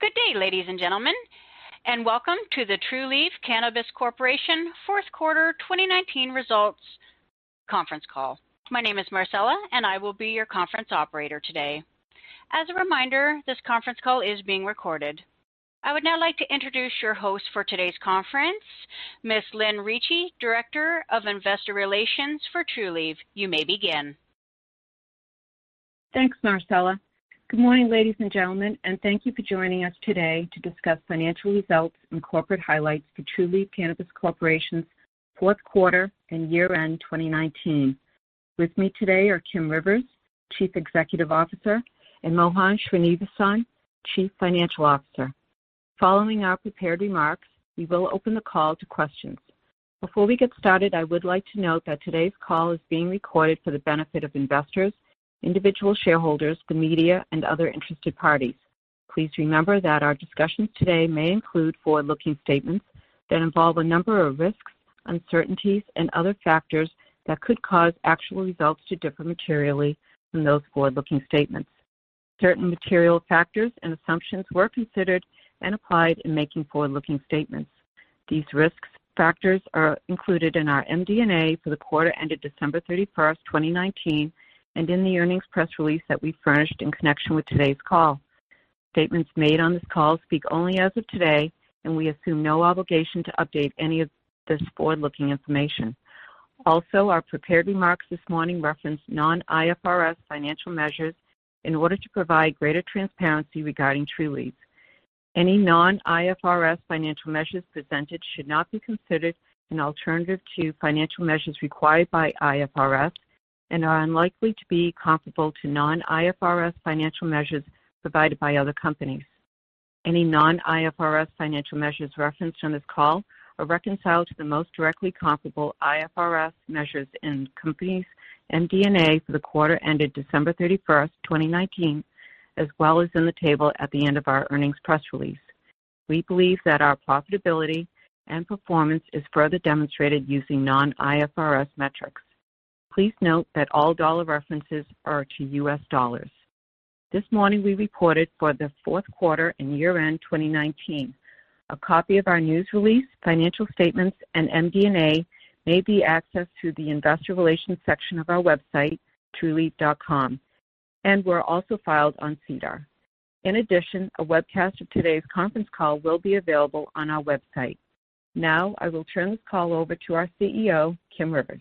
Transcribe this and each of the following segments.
Good day, ladies and gentlemen. And welcome to the Trulieve Cannabis Corporation fourth quarter 2019 results conference call. My name is Marcella, and I will be your conference operator today. As a reminder, this conference call is being recorded. I would now like to introduce your host for today's conference, Ms. Lynn Ricci, Director of Investor Relations for Trulieve. You may begin. Thanks, Marcella. Good morning, ladies and gentlemen, and thank you for joining us today to discuss financial results and corporate highlights for Trulieve Cannabis Corporation's fourth quarter and year-end 2019. With me today are Kim Rivers, Chief Executive Officer, and Mohan Srinivasan, Chief Financial Officer. Following our prepared remarks, we will open the call to questions. Before we get started, I would like to note that today's call is being recorded for the benefit of investors, individual shareholders, the media, and other interested parties. Please remember that our discussions today may include forward-looking statements that involve a number of risks, uncertainties, and other factors that could cause actual results to differ materially from those forward-looking statements. Certain material factors and assumptions were considered and applied in making forward-looking statements. These risks factors are included in our MD&A for the quarter ended December 31st, 2019, and in the earnings press release that we furnished in connection with today's call. Statements made on this call speak only as of today, and we assume no obligation to update any of this forward-looking information. Also, our prepared remarks this morning reference non-IFRS financial measures in order to provide greater transparency regarding Trulieve. Any non-IFRS financial measures presented should not be considered an alternative to financial measures required by IFRS and are unlikely to be comparable to non-IFRS financial measures provided by other companies. Any non-IFRS financial measures referenced on this call are reconciled to the most directly comparable IFRS measures in the company's MD&A for the quarter ended December 31st, 2019, as well as in the table at the end of our earnings press release. We believe that our profitability and performance is further demonstrated using non-IFRS metrics. Please note that all dollar references are to U.S. dollars. This morning, we reported for the fourth quarter and year-end 2019. A copy of our news release, financial statements, and MD&A may be accessed through the investor relations section of our website, trulieve.com, and were also filed on SEDAR. A webcast of today's conference call will be available on our website. I will turn this call over to our CEO, Kim Rivers.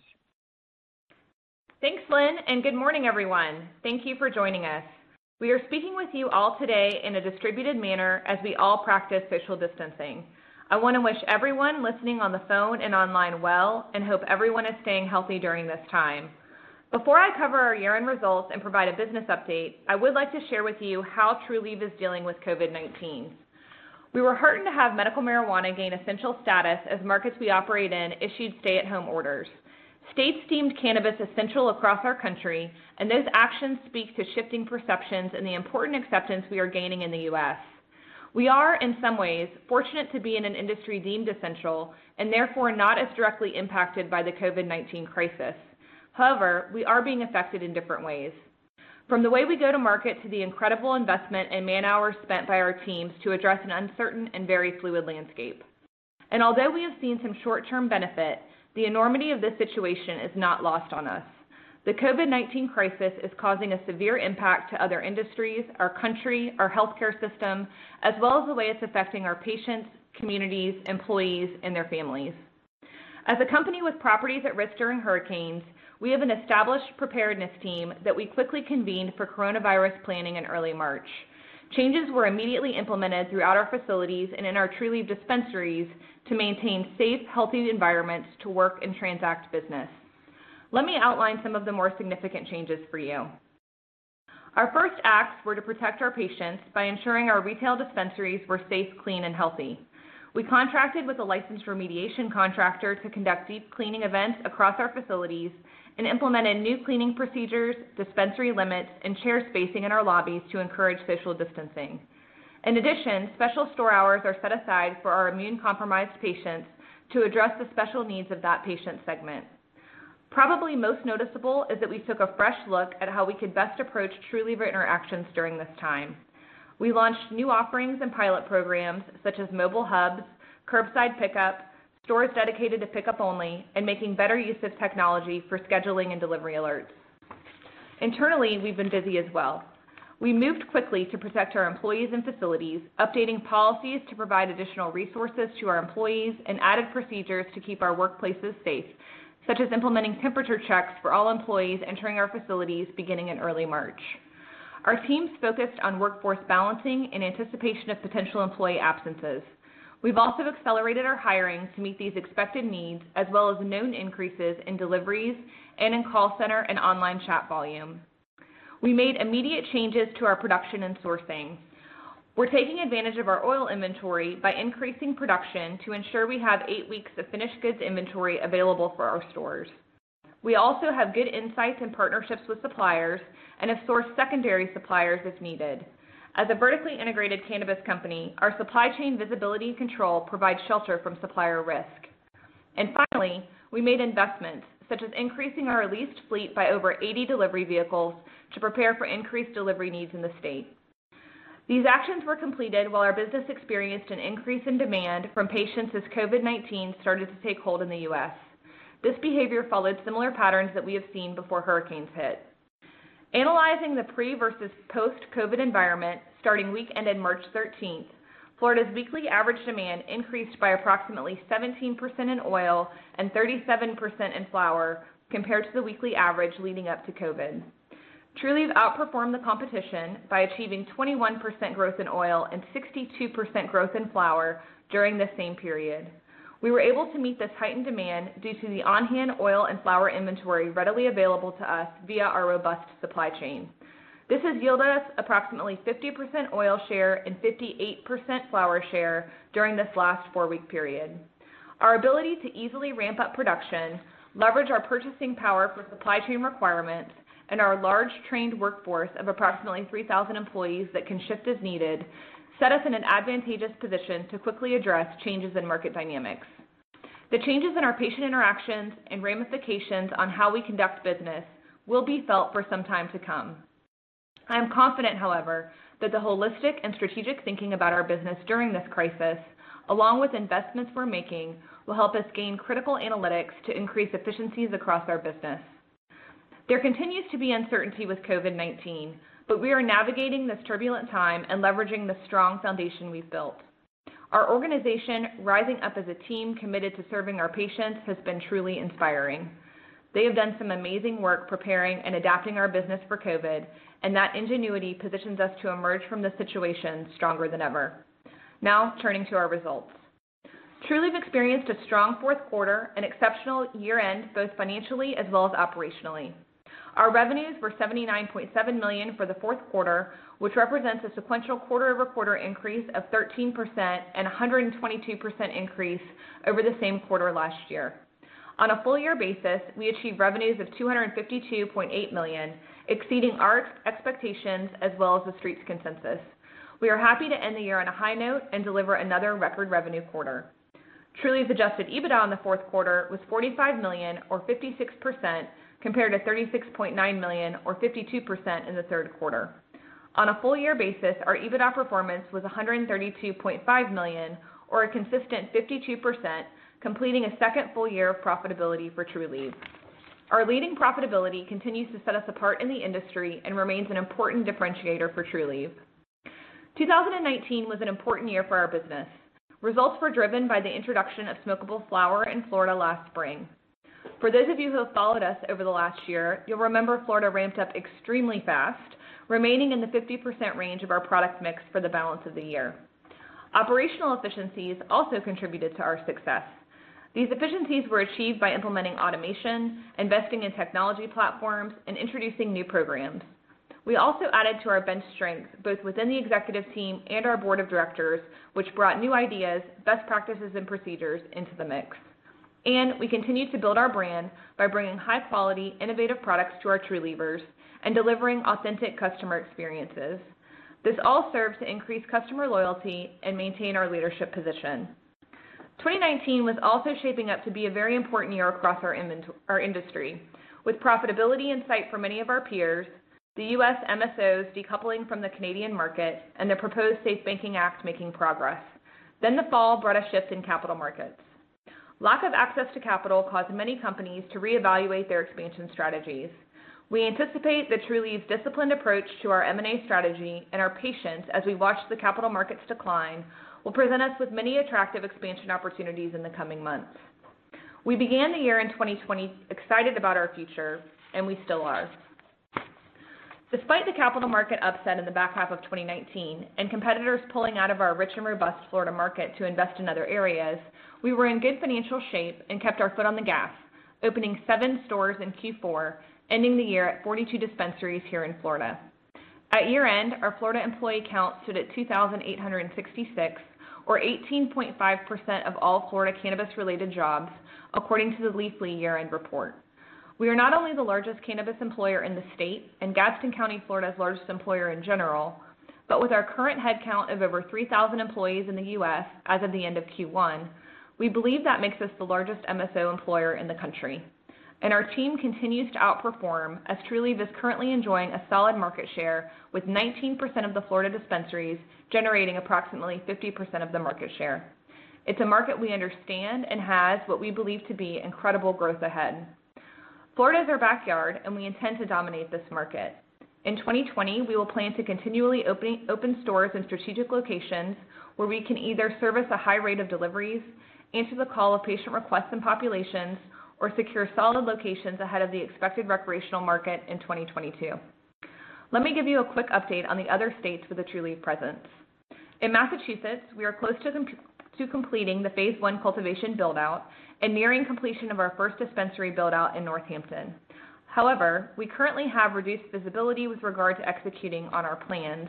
Thanks, Lynn. Good morning, everyone. Thank you for joining us. We are speaking with you all today in a distributed manner as we all practice social distancing. I want to wish everyone listening on the phone and online well and hope everyone is staying healthy during this time. Before I cover our year-end results and provide a business update, I would like to share with you how Trulieve is dealing with COVID-19. We were heartened to have medical marijuana gain essential status as markets we operate in issued stay-at-home orders. States deemed cannabis essential across our country. Those actions speak to shifting perceptions and the important acceptance we are gaining in the U.S. We are, in some ways, fortunate to be in an industry deemed essential and therefore not as directly impacted by the COVID-19 crisis. However, we are being affected in different ways, from the way we go to market to the incredible investment and man-hours spent by our teams to address an uncertain and very fluid landscape. Although we have seen some short-term benefit, the enormity of this situation is not lost on us. The COVID-19 crisis is causing a severe impact to other industries, our country, our healthcare system, as well as the way it's affecting our patients, communities, employees, and their families. As a company with properties at risk during hurricanes, we have an established preparedness team that we quickly convened for coronavirus planning in early March. Changes were immediately implemented throughout our facilities and in our Trulieve dispensaries to maintain safe, healthy environments to work and transact business. Let me outline some of the more significant changes for you. Our first acts were to protect our patients by ensuring our retail dispensaries were safe, clean, and healthy. We contracted with a licensed remediation contractor to conduct deep-cleaning events across our facilities and implemented new cleaning procedures, dispensary limits, and chair spacing in our lobbies to encourage social distancing. In addition, special store hours are set aside for our immune-compromised patients to address the special needs of that patient segment. Probably most noticeable is that we took a fresh look at how we could best approach Trulieve interactions during this time. We launched new offerings and pilot programs such as mobile hubs, curbside pickup, stores dedicated to pickup only, and making better use of technology for scheduling and delivery alerts. Internally, we've been busy as well. We moved quickly to protect our employees and facilities, updating policies to provide additional resources to our employees and added procedures to keep our workplaces safe, such as implementing temperature checks for all employees entering our facilities beginning in early March. Our teams focused on workforce balancing in anticipation of potential employee absences. We've also accelerated our hiring to meet these expected needs, as well as known increases in deliveries and in call center and online chat volume. We made immediate changes to our production and sourcing. We're taking advantage of our oil inventory by increasing production to ensure we have eight weeks of finished goods inventory available for our stores. We also have good insights and partnerships with suppliers and have sourced secondary suppliers as needed. As a vertically integrated cannabis company, our supply chain visibility and control provide shelter from supplier risk. Finally, we made investments, such as increasing our leased fleet by over 80 delivery vehicles to prepare for increased delivery needs in the state. These actions were completed while our business experienced an increase in demand from patients as COVID-19 started to take hold in the U.S. This behavior followed similar patterns that we have seen before hurricanes hit. Analyzing the pre versus post-COVID environment, starting week ending March 13th, Florida's weekly average demand increased by approximately 17% in oil and 37% in flower, compared to the weekly average leading up to COVID. Trulieve outperformed the competition by achieving 21% growth in oil and 62% growth in flower during the same period. We were able to meet this heightened demand due to the on-hand oil and flower inventory readily available to us via our robust supply chain. This has yielded us approximately 50% oil share and 58% flower share during this last four-week period. Our ability to easily ramp up production, leverage our purchasing power for supply chain requirements, and our large trained workforce of approximately 3,000 employees that can shift as needed, set us in an advantageous position to quickly address changes in market dynamics. The changes in our patient interactions and ramifications on how we conduct business will be felt for some time to come. I am confident, however, that the holistic and strategic thinking about our business during this crisis, along with investments we're making, will help us gain critical analytics to increase efficiencies across our business. There continues to be uncertainty with COVID-19, but we are navigating this turbulent time and leveraging the strong foundation we've built. Our organization, rising up as a team committed to serving our patients, has been truly inspiring. They have done some amazing work preparing and adapting our business for COVID, and that ingenuity positions us to emerge from this situation stronger than ever. Now, turning to our results. Trulieve experienced a strong fourth quarter and exceptional year-end, both financially as well as operationally. Our revenues were $79.7 million for the fourth quarter, which represents a sequential quarter-over-quarter increase of 13% and 122% increase over the same quarter last year. On a full-year basis, we achieved revenues of $252.8 million, exceeding our expectations as well as the Street's consensus. We are happy to end the year on a high note and deliver another record revenue quarter. Trulieve's adjusted EBITDA in the fourth quarter was $45 million, or 56%, compared to $36.9 million, or 52%, in the third quarter. On a full-year basis, our EBITDA performance was $132.5 million, or a consistent 52%, completing a second full year of profitability for Trulieve. Our leading profitability continues to set us apart in the industry and remains an important differentiator for Trulieve. 2019 was an important year for our business. Results were driven by the introduction of smokable flower in Florida last spring. For those of you who have followed us over the last year, you'll remember Florida ramped up extremely fast, remaining in the 50% range of our product mix for the balance of the year. Operational efficiencies also contributed to our success. These efficiencies were achieved by implementing automation, investing in technology platforms, and introducing new programs. We also added to our bench strength, both within the executive team and our board of directors, which brought new ideas, best practices, and procedures into the mix. We continued to build our brand by bringing high-quality, innovative products to our Trulievers and delivering authentic customer experiences. This all serves to increase customer loyalty and maintain our leadership position. 2019 was also shaping up to be a very important year across our industry, with profitability in sight for many of our peers, the U.S. MSOs decoupling from the Canadian market, and the proposed SAFE Banking Act making progress. The fall brought a shift in capital markets. Lack of access to capital caused many companies to reevaluate their expansion strategies. We anticipate that Trulieve's disciplined approach to our M&A strategy and our patience as we watch the capital markets decline will present us with many attractive expansion opportunities in the coming months. We began the year in 2020 excited about our future, and we still are. Despite the capital market upset in the back half of 2019 and competitors pulling out of our rich and robust Florida market to invest in other areas, we were in good financial shape and kept our foot on the gas, opening seven stores in Q4, ending the year at 42 dispensaries here in Florida. At year-end, our Florida employee count stood at 2,866, or 18.5% of all Florida cannabis-related jobs, according to the Leafly year-end report. We are not only the largest cannabis employer in the state, and Gadsden County, Florida's largest employer in general, but with our current head count of over 3,000 employees in the U.S. as of the end of Q1, we believe that makes us the largest MSO employer in the country. Our team continues to outperform, as Trulieve is currently enjoying a solid market share, with 19% of the Florida dispensaries generating approximately 50% of the market share. It's a market we understand and has what we believe to be incredible growth ahead. Florida is our backyard, and we intend to dominate this market. In 2020, we will plan to continually open stores in strategic locations where we can either service a high rate of deliveries, answer the call of patient requests and populations, or secure solid locations ahead of the expected recreational market in 2022. Let me give you a quick update on the other states with a Trulieve presence. In Massachusetts, we are close to completing the phase one cultivation build-out and nearing completion of our first dispensary build-out in Northampton. However, we currently have reduced visibility with regard to executing on our plans.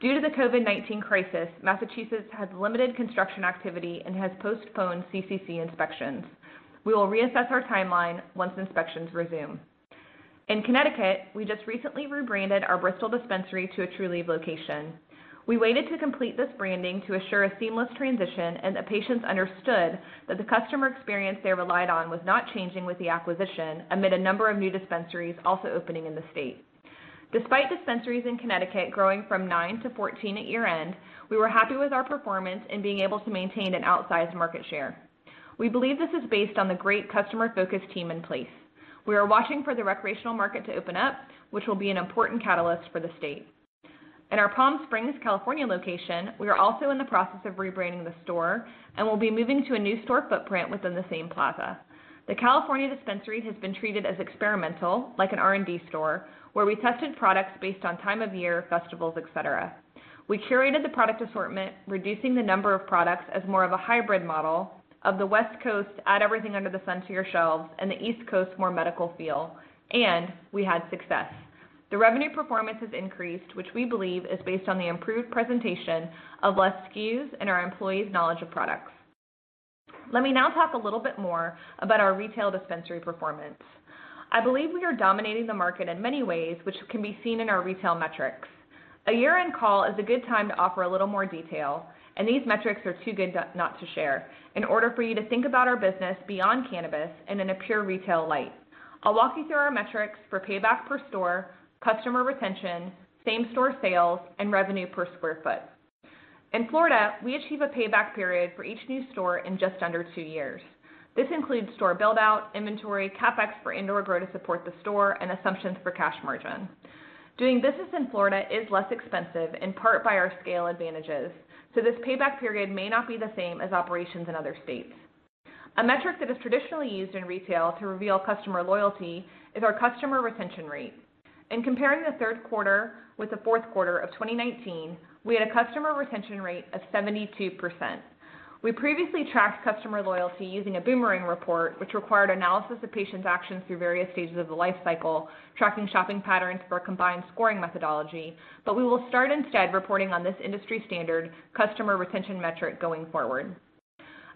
Due to the COVID-19 crisis, Massachusetts has limited construction activity and has postponed CCC inspections. We will reassess our timeline once inspections resume. In Connecticut, we just recently rebranded our Bristol dispensary to a Trulieve location. We waited to complete this branding to assure a seamless transition and that patients understood that the customer experience they relied on was not changing with the acquisition amid a number of new dispensaries also opening in the state. Despite dispensaries in Connecticut growing from nine to 14 at year-end, we were happy with our performance in being able to maintain an outsized market share. We believe this is based on the great customer-focused team in place. We are watching for the recreational market to open up, which will be an important catalyst for the state. In our Palm Springs, California location, we are also in the process of rebranding the store and will be moving to a new store footprint within the same plaza. The California dispensary has been treated as experimental, like an R&D store, where we tested products based on time of year, festivals, et cetera. We curated the product assortment, reducing the number of products as more of a hybrid model of the West Coast add everything under the sun to your shelves, and the East Coast more medical feel, and we had success. The revenue performance has increased, which we believe is based on the improved presentation of less SKUs and our employees' knowledge of products. Let me now talk a little bit more about our retail dispensary performance. I believe we are dominating the market in many ways, which can be seen in our retail metrics. A year-end call is a good time to offer a little more detail. These metrics are too good not to share, in order for you to think about our business beyond cannabis and in a pure retail light. I'll walk you through our metrics for payback per store, customer retention, same-store sales, and revenue per square foot. In Florida, we achieve a payback period for each new store in just under two years. This includes store build-out, inventory, CapEx for indoor grow to support the store, and assumptions for cash margin. Doing business in Florida is less expensive, in part by our scale advantages. This payback period may not be the same as operations in other states. A metric that is traditionally used in retail to reveal customer loyalty is our customer retention rate. In comparing the third quarter with the fourth quarter of 2019, we had a customer retention rate of 72%. We previously tracked customer loyalty using a boomerang report, which required analysis of patients' actions through various stages of the life cycle, tracking shopping patterns for a combined scoring methodology. We will start instead reporting on this industry-standard customer retention metric going forward.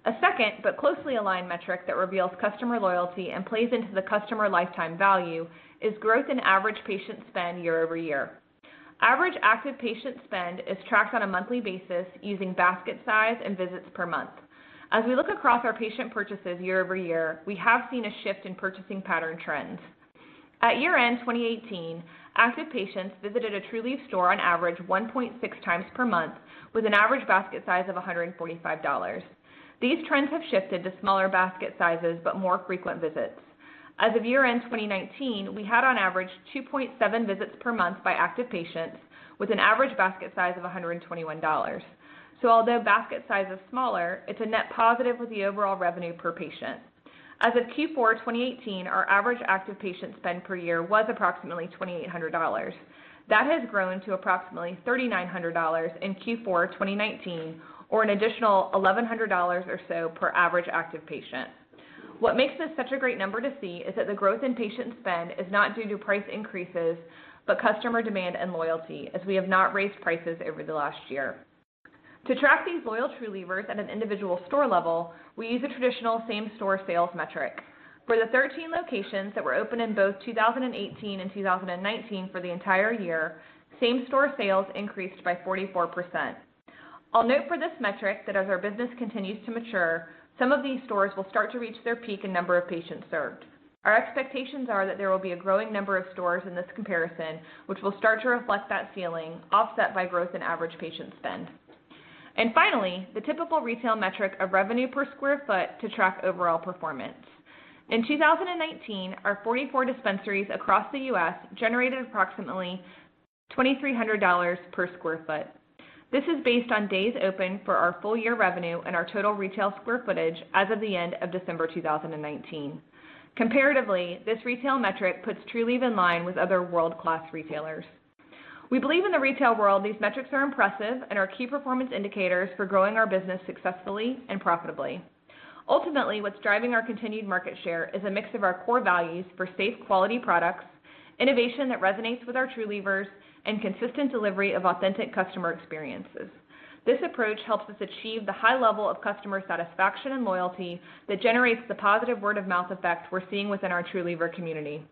A second, but closely aligned metric that reveals customer loyalty and plays into the customer lifetime value is growth in average patient spend year-over-year. Average active patient spend is tracked on a monthly basis using basket size and visits per month. As we look across our patient purchases year-over-year, we have seen a shift in purchasing pattern trends. At year-end 2018, active patients visited a Trulieve store on average 1.6x per month with an average basket size of $145. These trends have shifted to smaller basket sizes, more frequent visits. As of year-end 2019, we had on average 2.7 visits per month by active patients, with an average basket size of $121. Although basket size is smaller, it's a net positive with the overall revenue per patient. As of Q4 2018, our average active patient spend per year was approximately $2,800. That has grown to approximately $3,900 in Q4 2019, or an additional $1,100 or so per average active patient. What makes this such a great number to see is that the growth in patient spend is not due to price increases, but customer demand and loyalty, as we have not raised prices over the last year. To track these loyal Trulievers at an individual store level, we use a traditional same-store sales metric. For the 13 locations that were open in both 2018 and 2019 for the entire year, same-store sales increased by 44%. I'll note for this metric that as our business continues to mature, some of these stores will start to reach their peak in number of patients served. Our expectations are that there will be a growing number of stores in this comparison, which will start to reflect that ceiling, offset by growth in average patient spend. Finally, the typical retail metric of revenue per square foot to track overall performance. In 2019, our 44 dispensaries across the U.S. generated approximately $2,300 per square foot. This is based on days open for our full-year revenue and our total retail square footage as of the end of December 2019. Comparatively, this retail metric puts Trulieve in line with other world-class retailers. We believe in the retail world these metrics are impressive and are key performance indicators for growing our business successfully and profitably. Ultimately, what's driving our continued market share is a mix of our core values for safe, quality products, innovation that resonates with our Trulievers, and consistent delivery of authentic customer experiences. This approach helps us achieve the high level of customer satisfaction and loyalty that generates the positive word-of-mouth effect we're seeing within our Truliever community.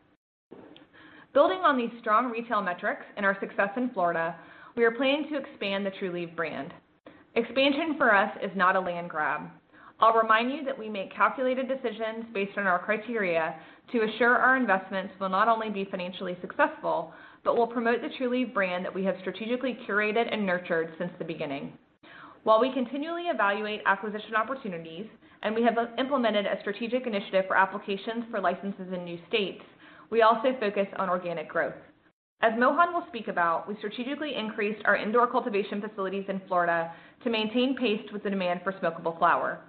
Building on these strong retail metrics and our success in Florida, we are planning to expand the Trulieve brand. Expansion for us is not a land grab. I'll remind you that we make calculated decisions based on our criteria to assure our investments will not only be financially successful but will promote the Trulieve brand that we have strategically curated and nurtured since the beginning. While we continually evaluate acquisition opportunities and we have implemented a strategic initiative for applications for licenses in new states, we also focus on organic growth. As Mohan will speak about, we strategically increased our indoor cultivation facilities in Florida to maintain pace with the demand for smokable flower.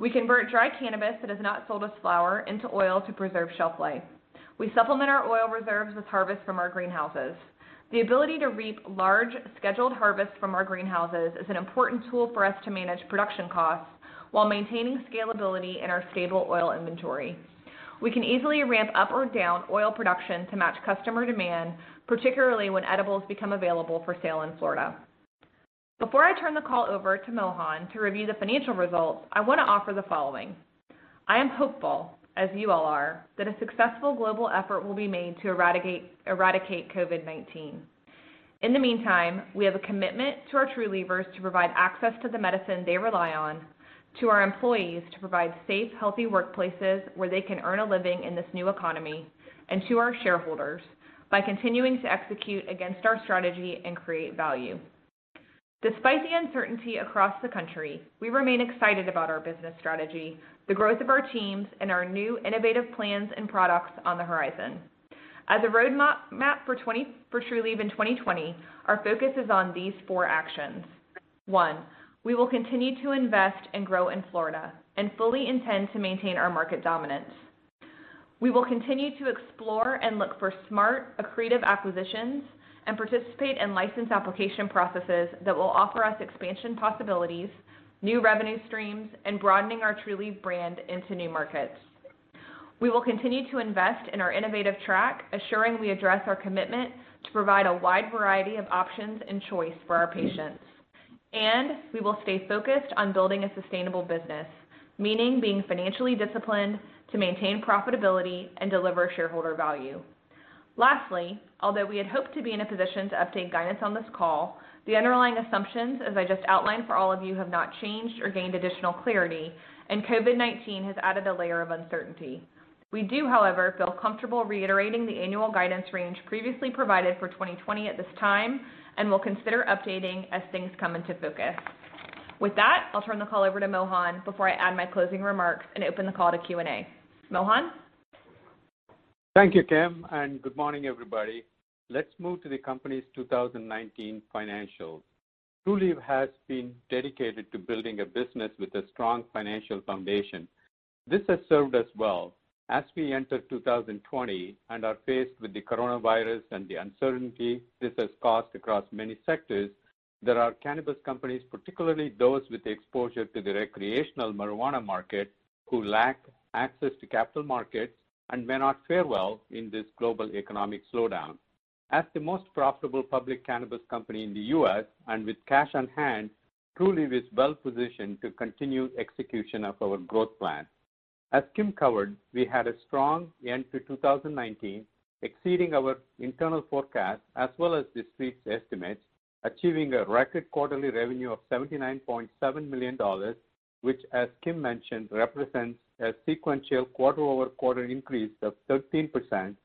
We convert dry cannabis that is not sold as flower into oil to preserve shelf life. We supplement our oil reserves with harvest from our greenhouses. The ability to reap large, scheduled harvests from our greenhouses is an important tool for us to manage production costs while maintaining scalability in our stable oil inventory. We can easily ramp up or down oil production to match customer demand, particularly when edibles become available for sale in Florida. Before I turn the call over to Mohan to review the financial results, I want to offer the following. I am hopeful, as you all are, that a successful global effort will be made to eradicate COVID-19. In the meantime, we have a commitment to our Trulievers to provide access to the medicine they rely on, to our employees to provide safe, healthy workplaces where they can earn a living in this new economy, and to our shareholders by continuing to execute against our strategy and create value. Despite the uncertainty across the country, we remain excited about our business strategy, the growth of our teams, and our new innovative plans and products on the horizon. As a roadmap for Trulieve in 2020, our focus is on these four actions. One, we will continue to invest and grow in Florida and fully intend to maintain our market dominance. We will continue to explore and look for smart, accretive acquisitions and participate in license application processes that will offer us expansion possibilities, new revenue streams, and broadening our Trulieve brand into new markets. We will continue to invest in our innovative track, assuring we address our commitment to provide a wide variety of options and choice for our patients. We will stay focused on building a sustainable business, meaning being financially disciplined to maintain profitability and deliver shareholder value. Lastly, although we had hoped to be in a position to update guidance on this call, the underlying assumptions, as I just outlined for all of you, have not changed or gained additional clarity, and COVID-19 has added a layer of uncertainty. We do, however, feel comfortable reiterating the annual guidance range previously provided for 2020 at this time, and will consider updating as things come into focus. With that, I'll turn the call over to Mohan before I add my closing remarks and open the call to Q&A. Mohan? Thank you, Kim. Good morning, everybody. Let's move to the company's 2019 financials. Trulieve has been dedicated to building a business with a strong financial foundation. This has served us well. As we enter 2020 and are faced with the coronavirus and the uncertainty this has caused across many sectors, there are cannabis companies, particularly those with exposure to the recreational marijuana market, who lack access to capital markets and may not fare well in this global economic slowdown. As the most profitable public cannabis company in the U.S. and with cash on hand, Trulieve is well-positioned to continue execution of our growth plan. As Kim covered, we had a strong end to 2019, exceeding our internal forecast as well as the Street's estimates, achieving a record quarterly revenue of $79.7 million, which, as Kim mentioned, represents a sequential quarter-over-quarter increase of 13%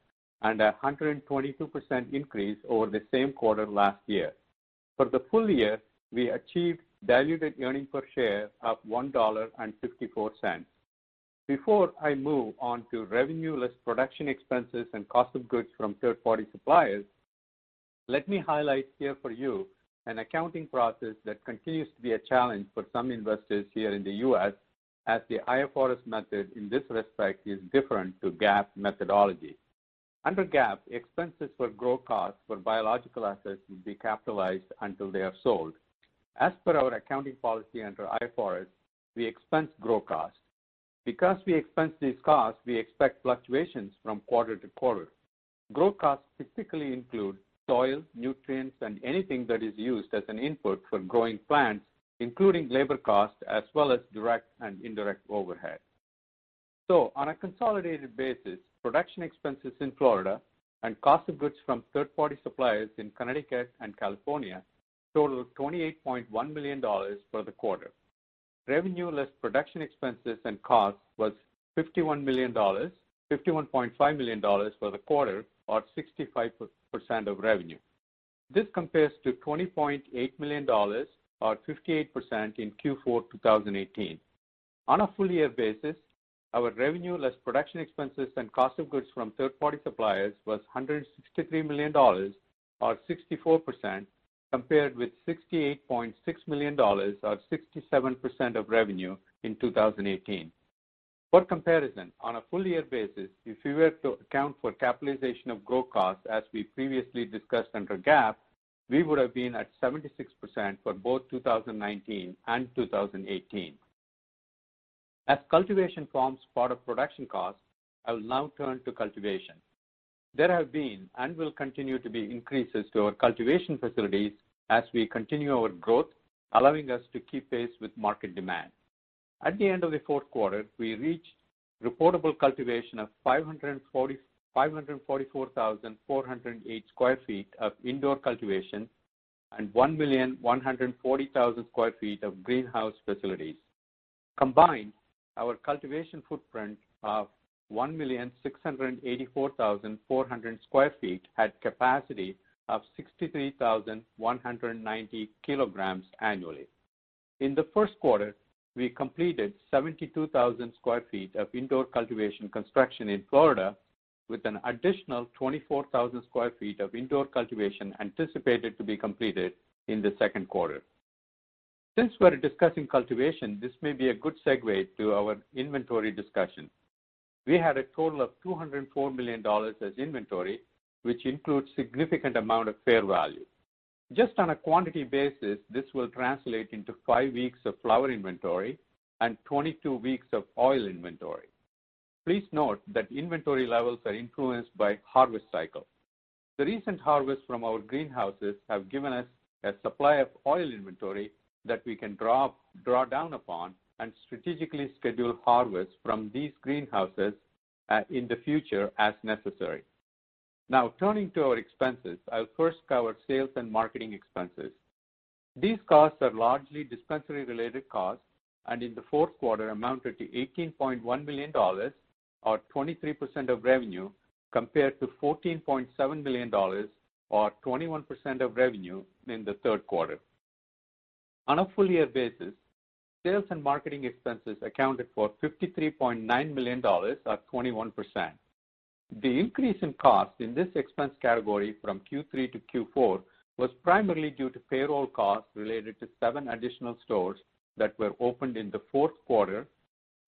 and 122% increase over the same quarter last year. For the full year, we achieved diluted earnings per share of $1.54. Before I move on to revenue less production expenses and cost of goods from third-party suppliers, let me highlight here for you an accounting process that continues to be a challenge for some investors here in the U.S. as the IFRS method in this respect is different to GAAP methodology. Under GAAP, expenses for grow costs for biological assets would be capitalized until they are sold. As per our accounting policy under IFRS, we expense grow costs. Because we expense these costs, we expect fluctuations from quarter to quarter. Grow costs typically include soil, nutrients, and anything that is used as an input for growing plants, including labor costs as well as direct and indirect overhead. On a consolidated basis, production expenses in Florida and cost of goods from third-party suppliers in Connecticut and California totaled $28.1 million for the quarter. Revenue less production expenses and costs was $51.5 million for the quarter, or 65% of revenue. This compares to $20.8 million, or 58%, in Q4 2018. On a full-year basis, our revenue less production expenses and cost of goods from third-party suppliers was $163 million, or 64%, compared with $68.6 million, or 67% of revenue in 2018. For comparison, on a full-year basis, if we were to account for capitalization of grow costs, as we previously discussed under GAAP, we would have been at 76% for both 2019 and 2018. As cultivation forms part of production costs, I will now turn to cultivation. There have been and will continue to be increases to our cultivation facilities as we continue our growth, allowing us to keep pace with market demand. At the end of the fourth quarter, we reached reportable cultivation of 544,408 sq ft of indoor cultivation and 1,140,000 sq ft of greenhouse facilities. Combined, our cultivation footprint of 1,684,400 sq ft had capacity of 63,190 kg annually. In the first quarter, we completed 72,000 sq ft of indoor cultivation construction in Florida with an additional 24,000 sq ft of indoor cultivation anticipated to be completed in the second quarter. Since we're discussing cultivation, this may be a good segue to our inventory discussion. We had a total of $204 million as inventory, which includes significant amount of fair value. Just on a quantity basis, this will translate into five weeks of flower inventory and 22 weeks of oil inventory. Please note that inventory levels are influenced by harvest cycle. The recent harvest from our greenhouses have given us a supply of oil inventory that we can draw down upon and strategically schedule harvest from these greenhouses in the future as necessary. Now turning to our expenses, I'll first cover sales and marketing expenses. These costs are largely dispensary-related costs, and in the fourth quarter, amounted to $18.1 million, or 23% of revenue, compared to $14.7 million, or 21% of revenue in the third quarter. On a full year basis, sales and marketing expenses accounted for $53.9 million or 21%. The increase in cost in this expense category from Q3 to Q4 was primarily due to payroll costs related to seven additional stores that were opened in the fourth quarter,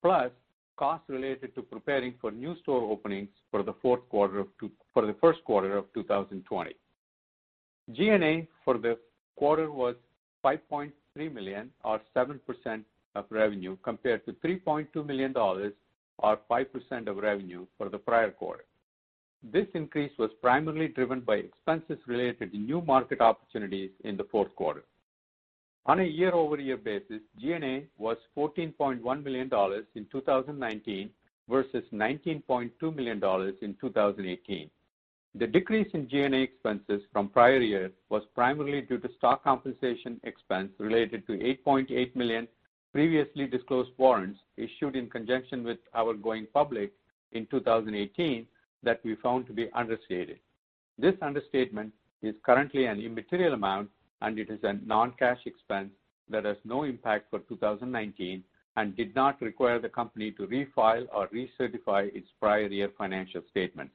plus costs related to preparing for new store openings for the first quarter of 2020. G&A for the quarter was $5.3 million or 7% of revenue compared to $3.2 million or 5% of revenue for the prior quarter. This increase was primarily driven by expenses related to new market opportunities in the fourth quarter. On a year-over-year basis, G&A was $14.1 million in 2019 versus $19.2 million in 2018. The decrease in G&A expenses from prior years was primarily due to stock compensation expense related to $8.8 million previously disclosed warrants issued in conjunction with our going public in 2018 that we found to be understated. This understatement is currently an immaterial amount, and it is a non-cash expense that has no impact for 2019 and did not require the company to refile or recertify its prior year financial statements.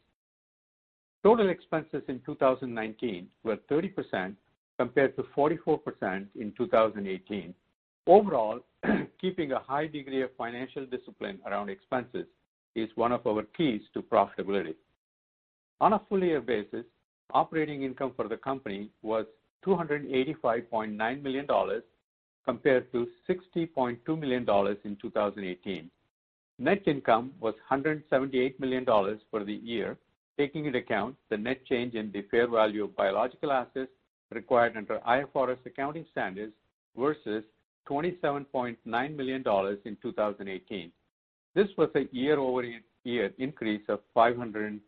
Total expenses in 2019 were 30% compared to 44% in 2018. Overall, keeping a high degree of financial discipline around expenses is one of our keys to profitability. On a full year basis, operating income for the company was $285.9 million compared to $60.2 million in 2018. Net income was $178 million for the year, taking into account the net change in the fair value of biological assets required under IFRS accounting standards versus $27.9 million in 2018. This was a year-over-year increase of 538%.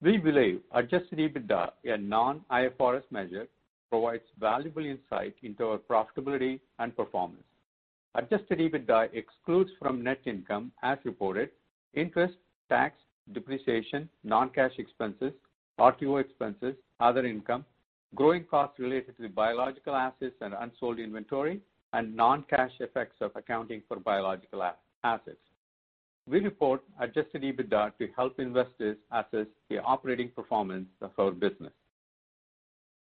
We believe adjusted EBITDA, a non-IFRS measure, provides valuable insight into our profitability and performance. Adjusted EBITDA excludes from net income as reported, interest, tax, depreciation, non-cash expenses, RTO expenses, other income, growing costs related to the biological assets and unsold inventory, and non-cash effects of accounting for biological assets. We report adjusted EBITDA to help investors assess the operating performance of our business.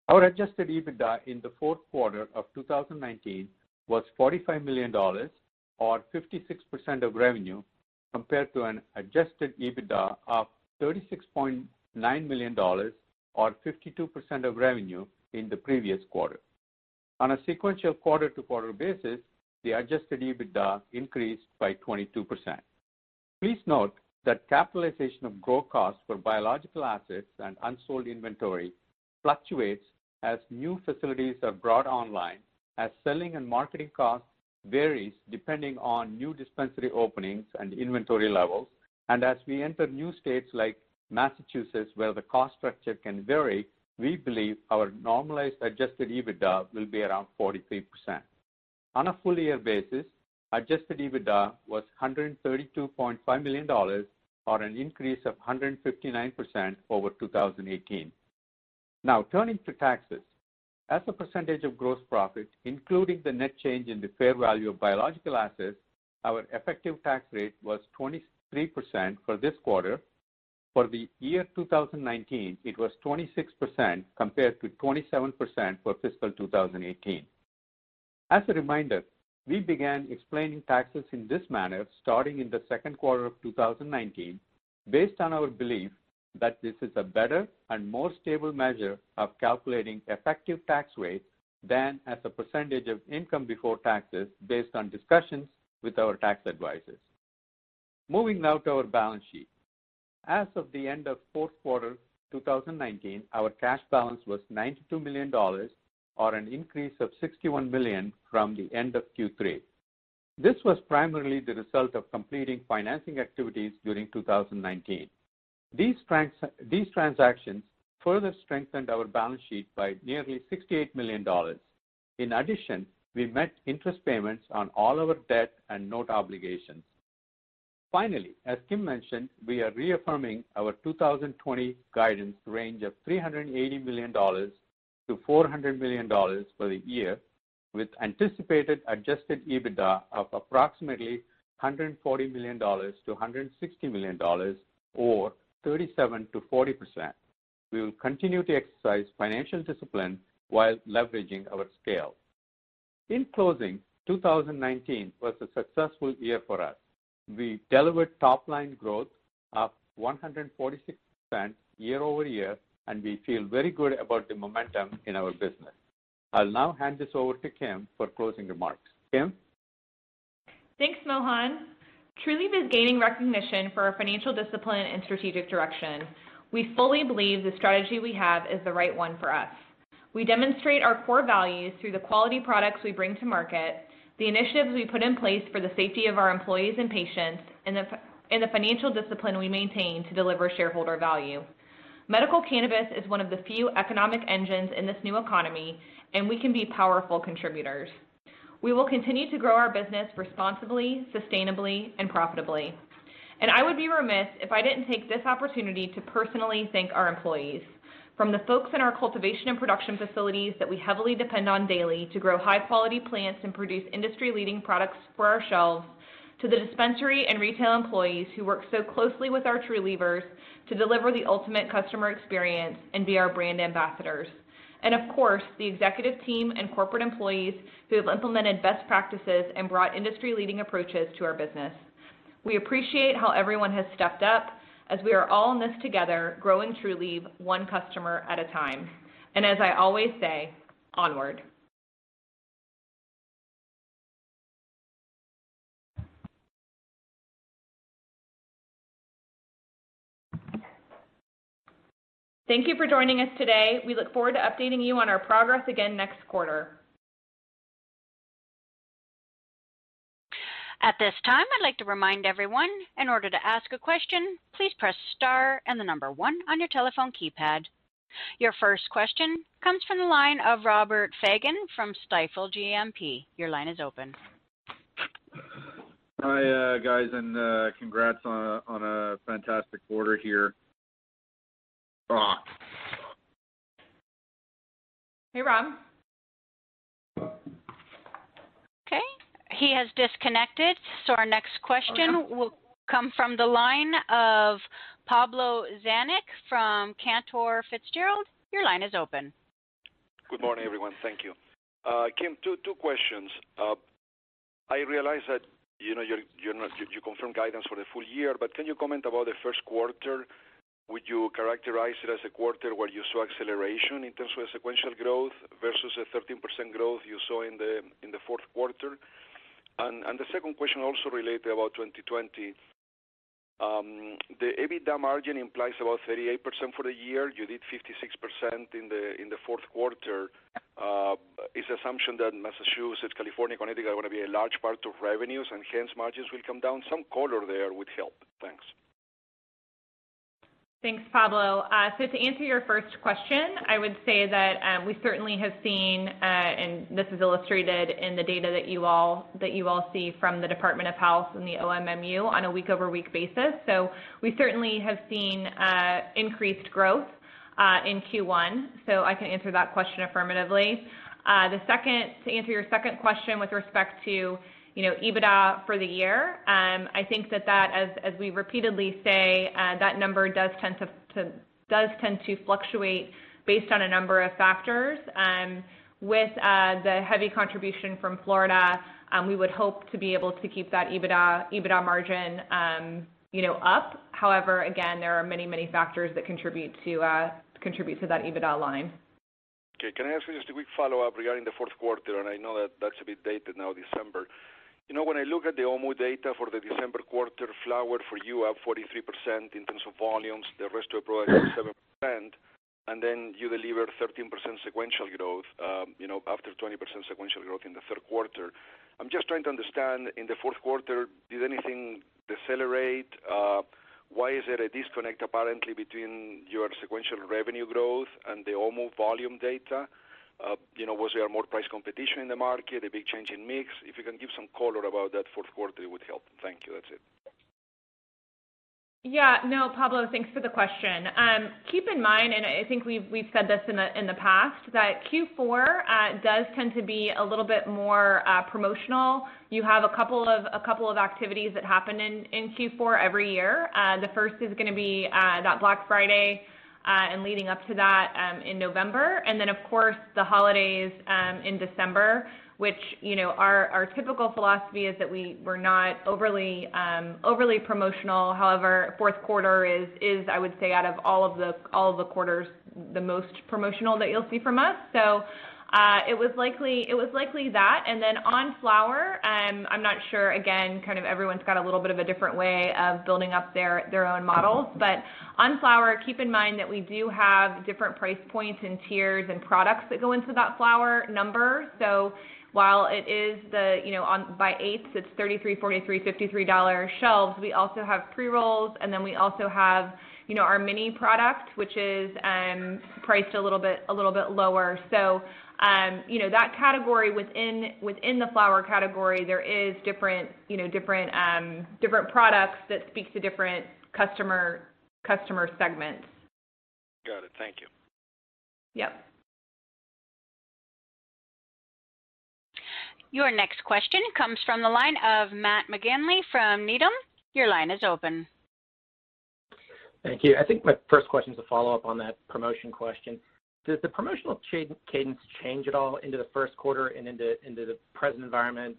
Our adjusted EBITDA in the fourth quarter of 2019 was $45 million or 56% of revenue compared to an adjusted EBITDA of $36.9 million or 52% of revenue in the previous quarter. On a sequential quarter-to-quarter basis, the adjusted EBITDA increased by 22%. Please note that capitalization of growth costs for biological assets and unsold inventory fluctuates as new facilities are brought online, as selling and marketing costs varies depending on new dispensary openings and inventory levels. As we enter new states like Massachusetts where the cost structure can vary, we believe our normalized adjusted EBITDA will be around 43%. On a full year basis, adjusted EBITDA was $132.5 million or an increase of 159% over 2018. Turning to taxes. As a percentage of gross profit, including the net change in the fair value of biological assets, our effective tax rate was 23% for this quarter. For the year 2019, it was 26% compared to 27% for fiscal 2018. As a reminder, we began explaining taxes in this manner starting in the second quarter of 2019 based on our belief that this is a better and more stable measure of calculating effective tax rate than as a percentage of income before taxes based on discussions with our tax advisors. Moving now to our balance sheet. As of the end of fourth quarter 2019, our cash balance was $92 million or an increase of $61 million from the end of Q3. This was primarily the result of completing financing activities during 2019. These transactions further strengthened our balance sheet by nearly $68 million. In addition, we met interest payments on all our debt and note obligations. Finally, as Kim mentioned, we are reaffirming our 2020 guidance range of $380 million-$400 million for the year with anticipated adjusted EBITDA of approximately $140 million-$160 million or 37%-40%. We will continue to exercise financial discipline while leveraging our scale. In closing, 2019 was a successful year for us. We delivered top-line growth of 146% year-over-year, and we feel very good about the momentum in our business. I'll now hand this over to Kim for closing remarks. Kim? Thanks, Mohan. Trulieve is gaining recognition for our financial discipline and strategic direction. We fully believe the strategy we have is the right one for us. We demonstrate our core values through the quality products we bring to market, the initiatives we put in place for the safety of our employees and patients, and the financial discipline we maintain to deliver shareholder value. Medical cannabis is one of the few economic engines in this new economy, and we can be powerful contributors. We will continue to grow our business responsibly, sustainably, and profitably. I would be remiss if I didn't take this opportunity to personally thank our employees. From the folks in our cultivation and production facilities that we heavily depend on daily to grow high-quality plants and produce industry-leading products for our shelves, to the dispensary and retail employees who work so closely with our Trulievers to deliver the ultimate customer experience and be our brand ambassadors. Of course, the executive team and corporate employees who have implemented best practices and brought industry-leading approaches to our business. We appreciate how everyone has stepped up as we are all in this together, growing Trulieve one customer at a time. As I always say, onward. Thank you for joining us today. We look forward to updating you on our progress again next quarter. At this time, I'd like to remind everyone, in order to ask a question, please press star and the number one on your telephone keypad. Your first question comes from the line of Robert Fagan from Stifel GMP. Your line is open. Hi, guys, congrats on a fantastic quarter here, Rob. Hey, Rob. Okay, he has disconnected. Our next question will come from the line of Pablo Zuanic from Cantor Fitzgerald. Your line is open. Good morning, everyone. Thank you. Kim, two questions. I realize that you confirmed guidance for the full year, but can you comment about the first quarter? Would you characterize it as a quarter where you saw acceleration in terms of sequential growth versus the 13% growth you saw in the fourth quarter? The second question also related about 2020. The EBITDA margin implies about 38% for the year. You did 56% in the fourth quarter. Is the assumption that Massachusetts, California, Connecticut are going to be a large part of revenues and hence margins will come down? Some color there would help. Thanks. Thanks, Pablo. To answer your first question, I would say that we certainly have seen, and this is illustrated in the data that you all see from the Department of Health and the OMMU on a week-over-week basis. We certainly have seen increased growth in Q1, so I can answer that question affirmatively. To answer your second question with respect to EBITDA for the year, I think that, as we repeatedly say, that number does tend to fluctuate based on a number of factors. With the heavy contribution from Florida, we would hope to be able to keep that EBITDA margin up. However, again, there are many factors that contribute to that EBITDA line. Okay. Can I ask you just a quick follow-up regarding the fourth quarter? I know that that's a bit dated now, December. When I look at the OMMU data for the December quarter, flower for you up 43% in terms of volumes, the rest of products up 7%, and then you deliver 13% sequential growth after 20% sequential growth in the third quarter. I'm just trying to understand, in the fourth quarter, did anything decelerate? Why is there a disconnect apparently between your sequential revenue growth and the OMMU volume data? Was there more price competition in the market, a big change in mix? If you can give some color about that fourth quarter, it would help. Thank you. That's it. No, Pablo, thanks for the question. Keep in mind, and I think we've said this in the past, that Q4 does tend to be a little bit more promotional. You have a couple of activities that happen in Q4 every year. The first is going to be that Black Friday, and leading up to that, in November. Then of course, the holidays in December, which our typical philosophy is that we're not overly promotional. However, fourth quarter is, I would say, out of all of the quarters, the most promotional that you'll see from us. It was likely that. Then on flower, I'm not sure, again, kind of everyone's got a little bit of a different way of building up their own model. On flower, keep in mind that we do have different price points and tiers and products that go into that flower number. While it is by eighths, it's $33, $43, $53 shelves. We also have pre-rolls, and then we also have our Minis product, which is priced a little bit lower. That category within the flower category, there is different products that speak to different customer segments. Got it. Thank you. Yep. Your next question comes from the line of Matt McGinley from Needham. Your line is open. Thank you. I think my first question is a follow-up on that promotion question. Does the promotional cadence change at all into the first quarter and into the present environment,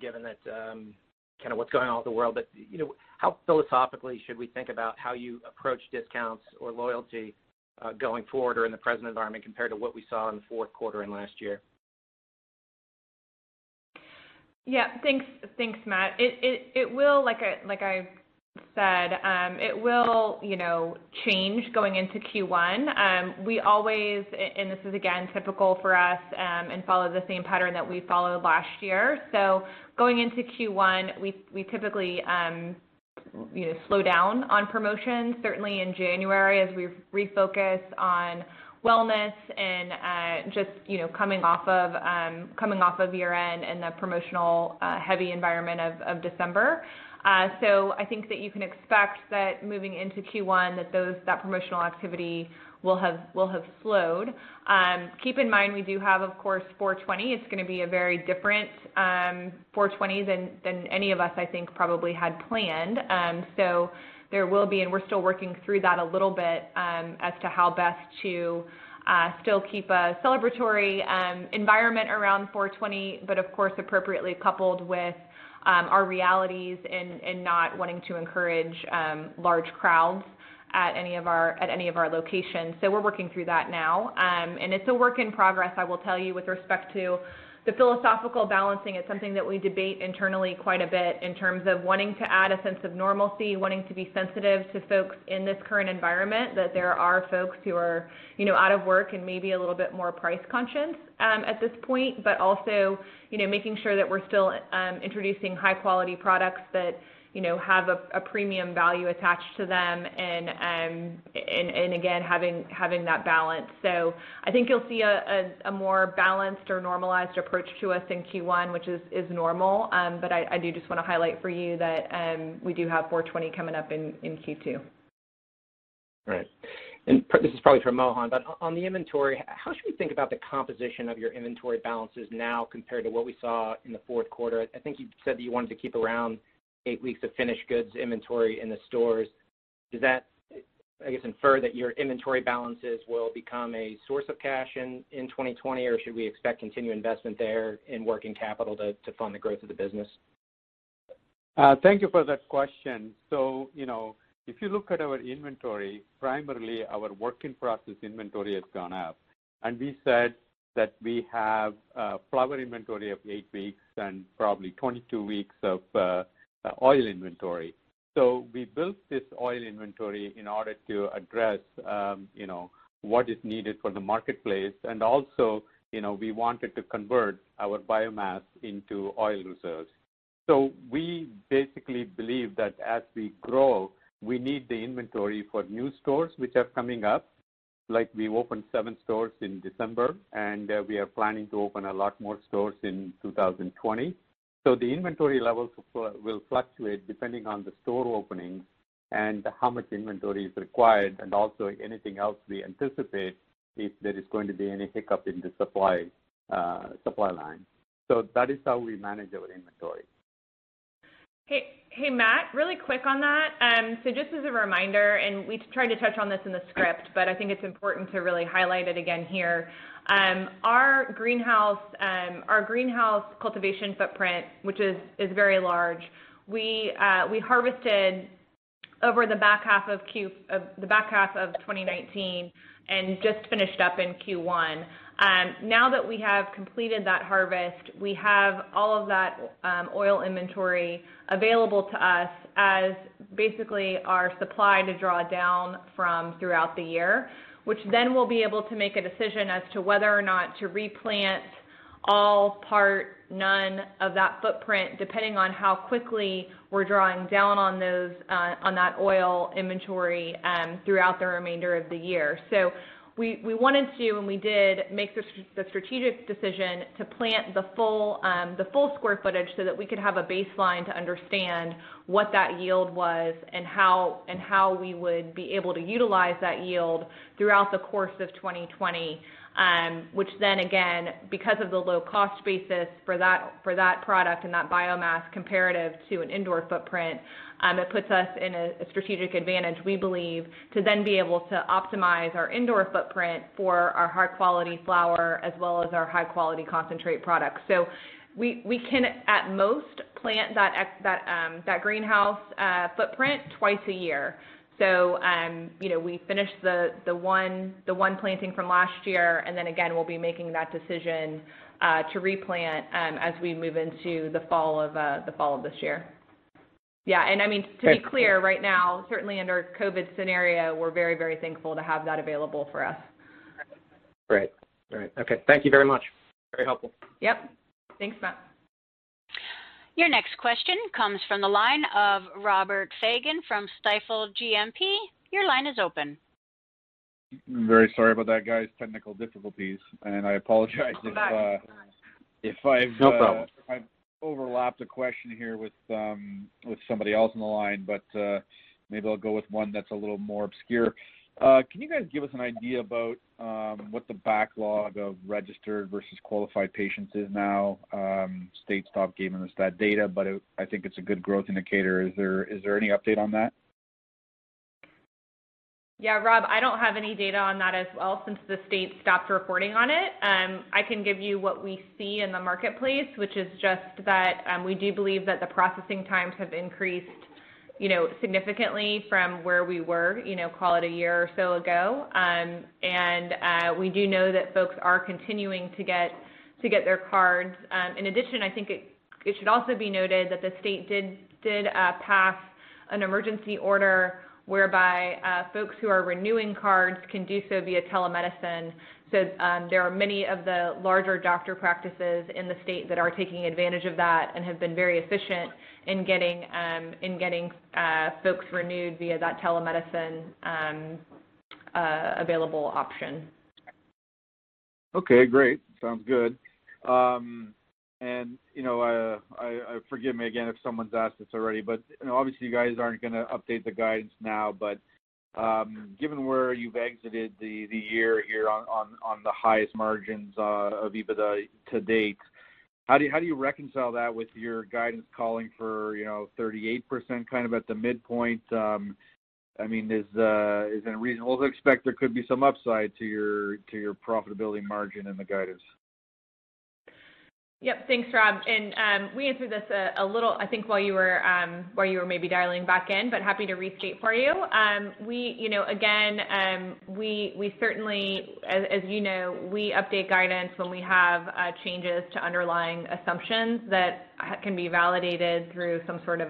given that kind of what's going on with the world? How philosophically should we think about how you approach discounts or loyalty going forward or in the present environment compared to what we saw in the fourth quarter and last year? Thanks, Matt. Like I said, it will change going into Q1. We always, and this is again typical for us and follow the same pattern that we followed last year. Going into Q1, we typically slow down on promotions, certainly in January as we refocus on wellness and just coming off of year-end and the promotional heavy environment of December. I think that you can expect that moving into Q1, that promotional activity will have slowed. Keep in mind we do have, of course, 4/20. It's going to be a very different 4/20 than any of us, I think, probably had planned. There will be, and we're still working through that a little bit as to how best to still keep a celebratory environment around 4/20, but of course, appropriately coupled with our realities and not wanting to encourage large crowds at any of our locations. We're working through that now. It's a work in progress, I will tell you, with respect to the philosophical balancing. It's something that we debate internally quite a bit in terms of wanting to add a sense of normalcy, wanting to be sensitive to folks in this current environment, that there are folks who are out of work and maybe a little bit more price conscious at this point, but also making sure that we're still introducing high-quality products that have a premium value attached to them, and again, having that balance. I think you'll see a more balanced or normalized approach to us in Q1, which is normal. I do just want to highlight for you that we do have 4/20 coming up in Q2. Right. This is probably for Mohan, but on the inventory, how should we think about the composition of your inventory balances now compared to what we saw in the fourth quarter? I think you said that you wanted to keep around eight weeks of finished goods inventory in the stores. Does that, I guess, infer that your inventory balances will become a source of cash in 2020, or should we expect continued investment there in working capital to fund the growth of the business? Thank you for that question. If you look at our inventory, primarily our work-in-process inventory has gone up. We said that we have a flower inventory of eight weeks and probably 22 weeks of oil inventory. We built this oil inventory in order to address what is needed for the marketplace. Also, we wanted to convert our biomass into oil reserves. We basically believe that as we grow, we need the inventory for new stores, which are coming up. We opened seven stores in December, and we are planning to open a lot more stores in 2020. The inventory levels will fluctuate depending on the store openings and how much inventory is required and also anything else we anticipate if there is going to be any hiccup in the supply line. That is how we manage our inventory. Hey, Matt, really quick on that. Just as a reminder, and we tried to touch on this in the script, but I think it's important to really highlight it again here. Our greenhouse cultivation footprint, which is very large, we harvested over the back half of 2019 and just finished up in Q1. Now that we have completed that harvest, we have all of that oil inventory available to us as basically our supply to draw down from throughout the year, which then we'll be able to make a decision as to whether or not to replant all, part, none of that footprint, depending on how quickly we're drawing down on that oil inventory throughout the remainder of the year. We wanted to, and we did, make the strategic decision to plant the full square footage so that we could have a baseline to understand what that yield was and how we would be able to utilize that yield throughout the course of 2020, which again, because of the low cost basis for that product and that biomass comparative to an indoor footprint, it puts us in a strategic advantage, we believe, to then be able to optimize our indoor footprint for our high-quality flower as well as our high-quality concentrate products. We can, at most, plant that greenhouse footprint twice a year. We finished the one planting from last year, and again, we'll be making that decision to replant as we move into the fall of this year. Yeah, I mean, to be clear, right now, certainly under COVID scenario, we're very thankful to have that available for us. Great. Okay. Thank you very much. Very helpful. Yep. Thanks, Matt. Your next question comes from the line of Robert Fagan from Stifel GMP. Your line is open. I'm very sorry about that, guys. Technical difficulties. I apologize. No worries. if I've- No problem. overlapped a question here with somebody else on the line. Maybe I'll go with one that's a little more obscure. Can you guys give us an idea about what the backlog of registered versus qualified patients is now? States stopped giving us that data. I think it's a good growth indicator. Is there any update on that? Yeah, Rob, I don't have any data on that as well since the state stopped reporting on it. I can give you what we see in the marketplace, which is just that we do believe that the processing times have increased significantly from where we were call it a year or so ago. We do know that folks are continuing to get their cards. In addition, I think it should also be noted that the state did pass an emergency order whereby folks who are renewing cards can do so via telemedicine. There are many of the larger doctor practices in the state that are taking advantage of that and have been very efficient in getting folks renewed via that telemedicine available option. Okay, great. Sounds good. Forgive me again if someone's asked this already, obviously you guys aren't going to update the guidance now. Given where you've exited the year here on the highest margins of EBITDA to date, how do you reconcile that with your guidance calling for 38% kind of at the midpoint? Is it reasonable to expect there could be some upside to your profitability margin in the guidance? Yep. Thanks, Rob. We answered this a little, I think, while you were maybe dialing back in, but happy to restate for you. Again, as you know, we update guidance when we have changes to underlying assumptions that can be validated through some sort of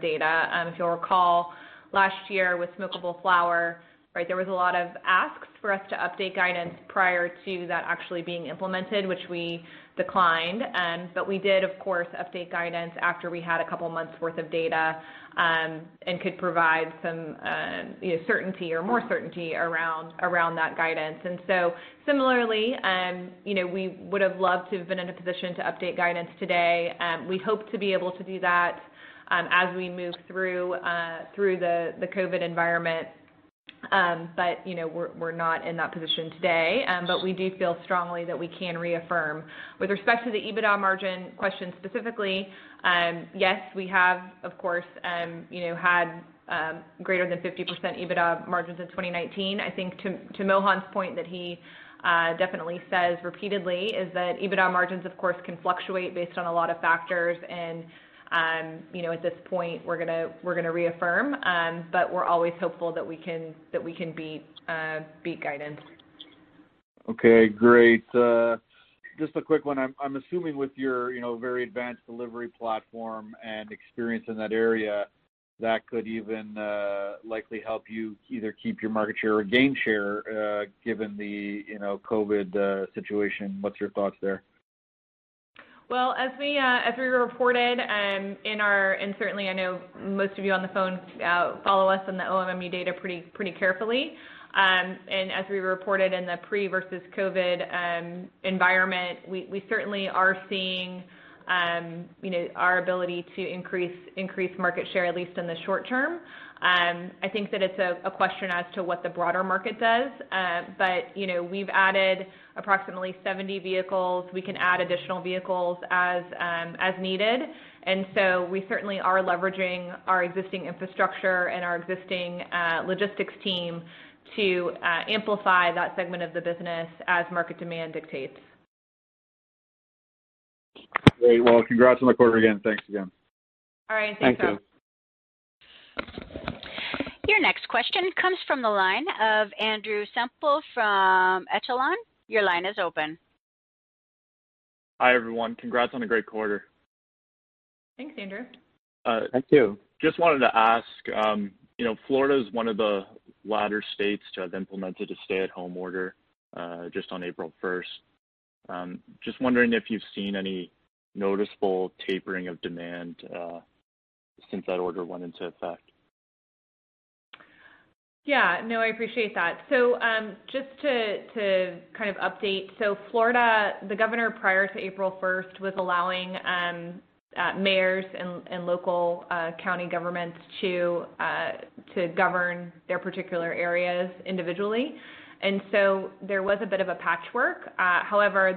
data. If you'll recall, last year with smokable flower, there was a lot of asks for us to update guidance prior to that actually being implemented, which we declined. We did, of course, update guidance after we had a couple months worth of data and could provide some more certainty around that guidance. Similarly, we would have loved to have been in a position to update guidance today. We hope to be able to do that as we move through the COVID-19 environment. We're not in that position today. We do feel strongly that we can reaffirm. With respect to the EBITDA margin question specifically, yes, we have, of course, had greater than 50% EBITDA margins in 2019. I think to Mohan's point that he definitely says repeatedly is that EBITDA margins, of course, can fluctuate based on a lot of factors. At this point we're going to reaffirm, but we're always hopeful that we can beat guidance. Okay, great. Just a quick one. I'm assuming with your very advanced delivery platform and experience in that area, that could even likely help you either keep your market share or gain share given the COVID-19 situation. What's your thoughts there? Well, as we reported in our, certainly I know most of you on the phone follow us on the OMMU data pretty carefully. As we reported in the pre versus COVID-19 environment, we certainly are seeing our ability to increase market share, at least in the short term. I think that it's a question as to what the broader market does. We've added approximately 70 vehicles. We can add additional vehicles as needed. We certainly are leveraging our existing infrastructure and our existing logistics team to amplify that segment of the business as market demand dictates. Great. Well, congrats on the quarter again. Thanks again. All right. Thanks, Rob. Thank you. Your next question comes from the line of Andrew Semple from Echelon. Your line is open. Hi, everyone. Congrats on a great quarter. Thanks, Andrew. Thank you. Just wanted to ask, Florida is one of the latter states to have implemented a stay-at-home order just on April 1st. Just wondering if you've seen any noticeable tapering of demand since that order went into effect. Yeah. No, I appreciate that. Just to kind of update. Florida, the governor prior to April 1st was allowing mayors and local county governments to govern their particular areas individually. There was a bit of a patchwork. However,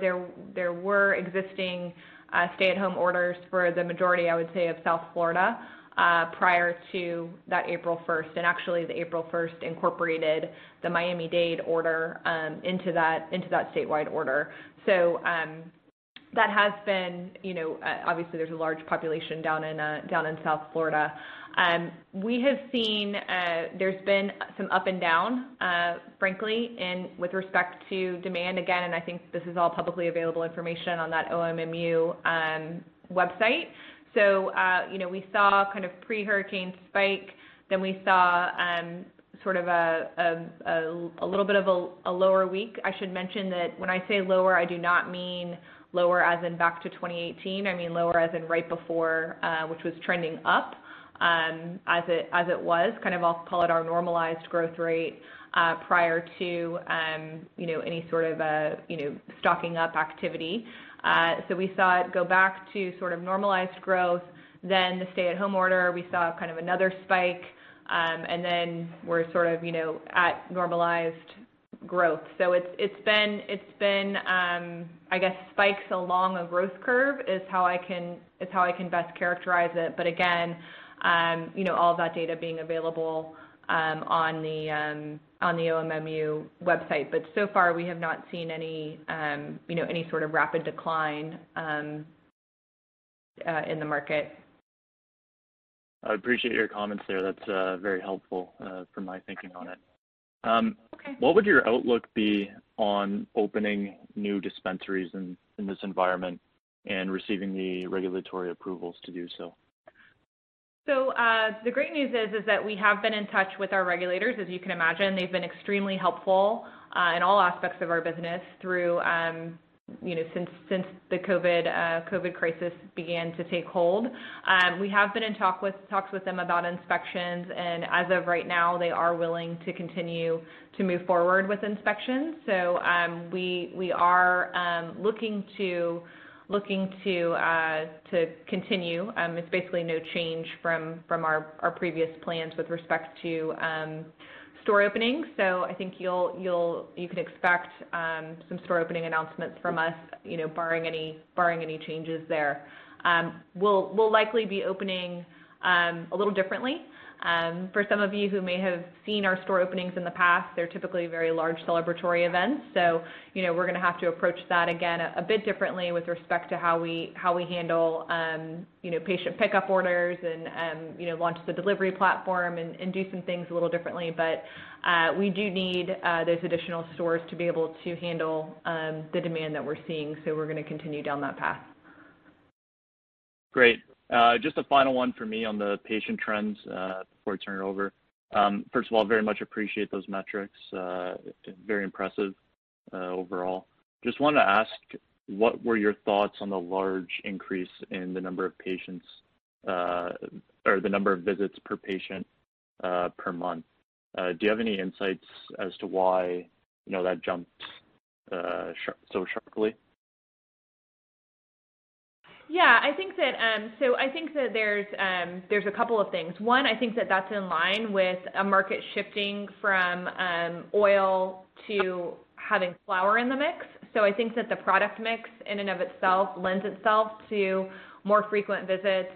there were existing stay-at-home orders for the majority, I would say, of South Florida prior to that April 1st. Actually, the April 1st incorporated the Miami-Dade order into that statewide order. Obviously, there's a large population down in South Florida. We have seen there's been some up and down, frankly, with respect to demand. Again, I think this is all publicly available information on that OMMU website. We saw kind of pre-hurricane spike, then we saw sort of a little bit of a lower week. I should mention that when I say lower, I do not mean lower as in back to 2018. I mean lower as in right before, which was trending up as it was, kind of, I'll call it our normalized growth rate prior to any sort of stocking up activity. We saw it go back to sort of normalized growth. The stay-at-home order, we saw kind of another spike. We're sort of at normalized growth. It's been, I guess, spikes along a growth curve is how I can best characterize it. Again, all of that data being available on the OMMU website. So far, we have not seen any sort of rapid decline in the market. I appreciate your comments there. That's very helpful for my thinking on it. Okay. What would your outlook be on opening new dispensaries in this environment and receiving the regulatory approvals to do so? The great news is that we have been in touch with our regulators. As you can imagine, they've been extremely helpful, in all aspects of our business since the COVID crisis began to take hold. We have been in talks with them about inspections, and as of right now, they are willing to continue to move forward with inspections. We are looking to continue. It's basically no change from our previous plans with respect to store openings. I think you can expect some store opening announcements from us, barring any changes there. We'll likely be opening a little differently. For some of you who may have seen our store openings in the past, they're typically very large celebratory events. We're going to have to approach that, again, a bit differently with respect to how we handle patient pickup orders and launch the delivery platform and do some things a little differently. We do need those additional stores to be able to handle the demand that we're seeing. We're going to continue down that path. Great. Just a final one for me on the patient trends, before I turn it over. First of all, very much appreciate those metrics. Very impressive overall. Just wanted to ask, what were your thoughts on the large increase in the number of visits per patient per month? Do you have any insights as to why that jumped so sharply? Yeah, I think that there's a couple of things. One, I think that that's in line with a market shifting from oil to having flower in the mix. I think that the product mix in and of itself lends itself to more frequent visits,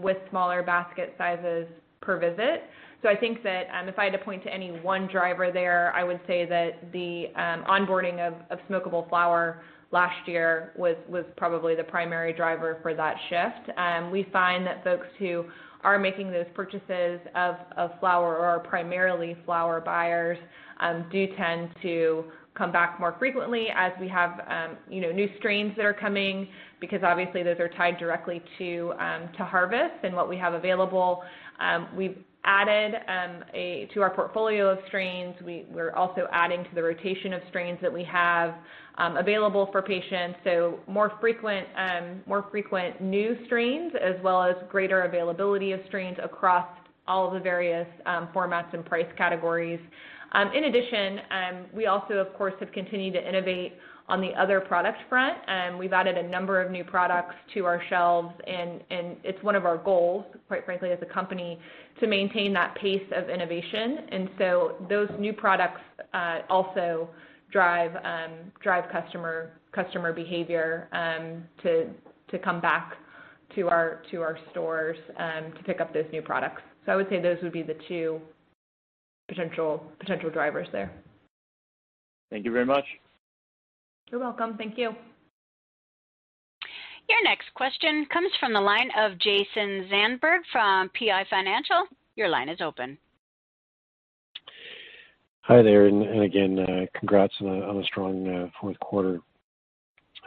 with smaller basket sizes per visit. I think that, if I had to point to any one driver there, I would say that the onboarding of smokable flower last year was probably the primary driver for that shift. We find that folks who are making those purchases of flower, or are primarily flower buyers, do tend to come back more frequently as we have new strains that are coming, because obviously those are tied directly to harvest and what we have available. We've added to our portfolio of strains, we're also adding to the rotation of strains that we have available for patients. More frequent new strains as well as greater availability of strains across all of the various formats and price categories. In addition, we also of course have continued to innovate on the other product front. We've added a number of new products to our shelves and it's one of our goals, quite frankly, as a company to maintain that pace of innovation. Those new products, also drive customer behavior to come back to our stores to pick up those new products. I would say those would be the two potential drivers there. Thank you very much. You're welcome. Thank you. Your next question comes from the line of Jason Zandberg from PI Financial. Your line is open. Hi there. Again, congrats on a strong fourth quarter.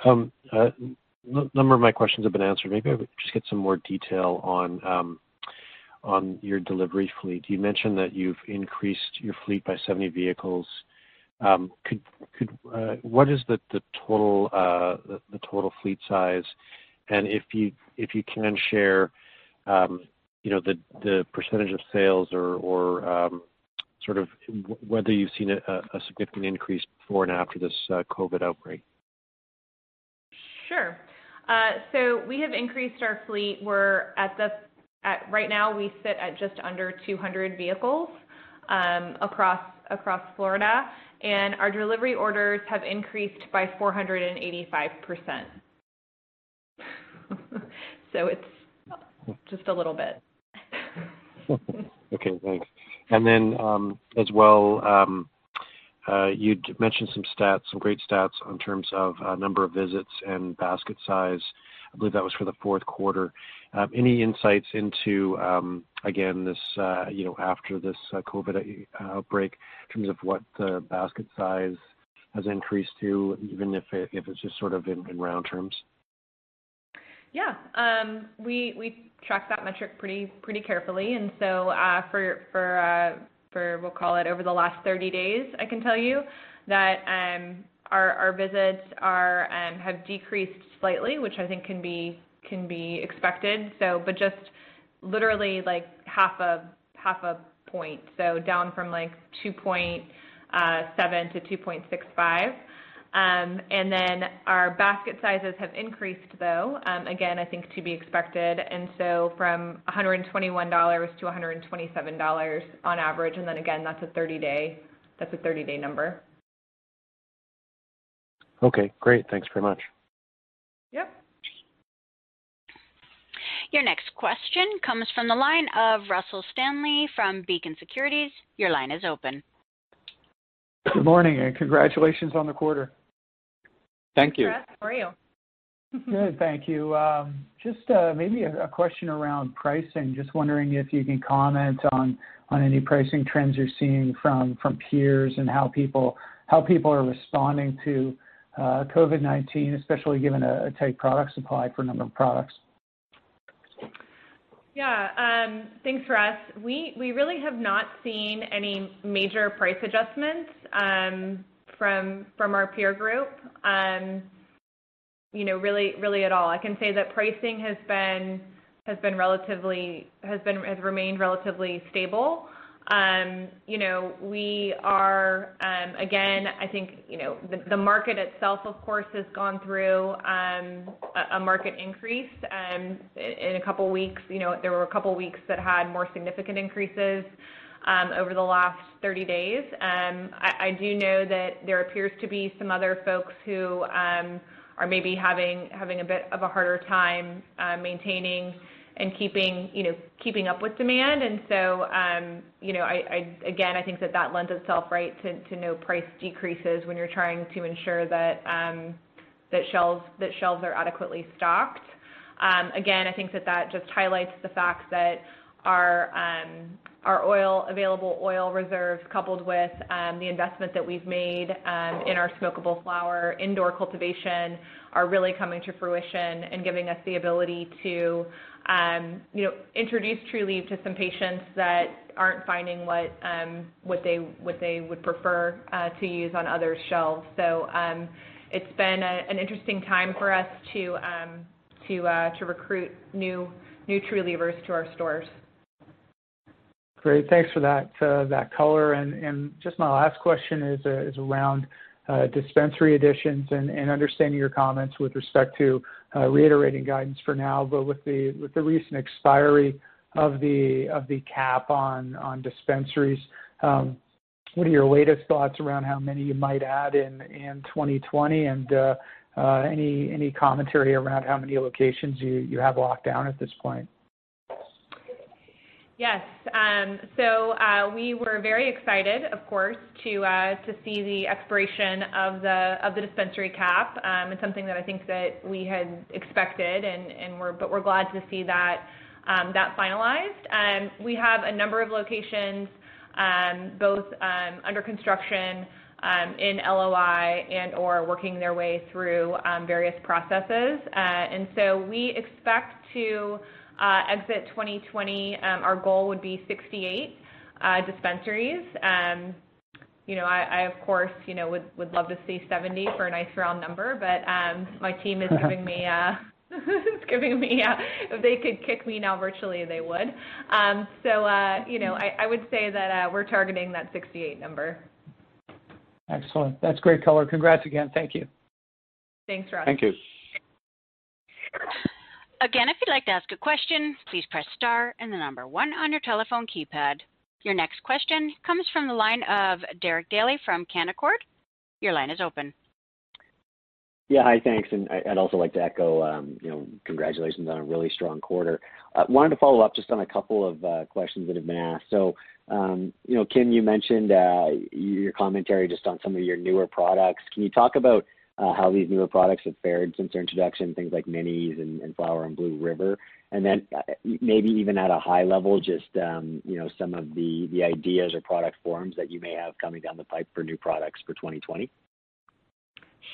A number of my questions have been answered. Maybe I would just get some more detail on your delivery fleet. You mentioned that you've increased your fleet by 70 vehicles. What is the total fleet size, and if you can share the percentage of sales or whether you've seen a significant increase before and after this COVID-19 outbreak? Sure. We have increased our fleet. Right now, we sit at just under 200 vehicles across Florida, and our delivery orders have increased by 485%. It's just a little bit. Okay, thanks. As well, you'd mentioned some great stats on terms of number of visits and basket size. I believe that was for the fourth quarter. Any insights into, again, after this COVID-19 outbreak in terms of what the basket size has increased to, even if it's just in round terms? Yeah. We track that metric pretty carefully, for, we'll call it over the last 30 days, I can tell you that our visits have decreased slightly, which I think can be expected, but just literally half a point, so down from 2.7 to 2.65. Our basket sizes have increased, though, again, I think to be expected. From $121-$127 on average. Again, that's a 30-day number. Okay, great. Thanks very much. Yep. Your next question comes from the line of Russell Stanley from Beacon Securities. Your line is open. Good morning. Congratulations on the quarter. Thank you. Russ, how are you? Good, thank you. Just maybe a question around pricing. Just wondering if you can comment on any pricing trends you're seeing from peers and how people are responding to COVID-19, especially given a tight product supply for a number of products? Yeah. Thanks, Russ. We really have not seen any major price adjustments from our peer group really at all. I can say that pricing has remained relatively stable. I think, the market itself, of course, has gone through a market increase. There were a couple of weeks that had more significant increases over the last 30 days. I do know that there appears to be some other folks who are maybe having a bit of a harder time maintaining and keeping up with demand. Again, I think that that lends itself right to no price decreases when you're trying to ensure that shelves are adequately stocked. I think that just highlights the fact that our available oil reserve, coupled with the investment that we've made in our smokable flower indoor cultivation, are really coming to fruition and giving us the ability to introduce Trulieve to some patients that aren't finding what they would prefer to use on other shelves. It's been an interesting time for us to recruit new Trulievers to our stores. Great. Thanks for that color. Just my last question is around dispensary additions and understanding your comments with respect to reiterating guidance for now. With the recent expiry of the cap on dispensaries, what are your latest thoughts around how many you might add in 2020, and any commentary around how many locations you have locked down at this point? Yes. We were very excited, of course, to see the expiration of the dispensary cap. It's something that I think that we had expected, but we're glad to see that finalized. We have a number of locations, both under construction, in LOI, and/or working their way through various processes. We expect to exit 2020, our goal would be 68 dispensaries. I, of course, would love to see 70 for a nice round number, but my team is giving me a if they could kick me now virtually, they would. I would say that we're targeting that 68 number. Excellent. That's great color. Congrats again. Thank you. Thanks, Russ. Thank you. Again, if you'd like to ask a question, please press star and the number one on your telephone keypad. Your next question comes from the line of Derek Dley from Canaccord. Your line is open. Yeah. Hi, thanks. I'd also like to echo congratulations on a really strong quarter. Wanted to follow up just on a couple of questions that have been asked. Kim, you mentioned your commentary just on some of your newer products. Can you talk about how these newer products have fared since their introduction, things like Minis and flower and Blue River? Then maybe even at a high level, just some of the ideas or product forms that you may have coming down the pipe for new products for 2020?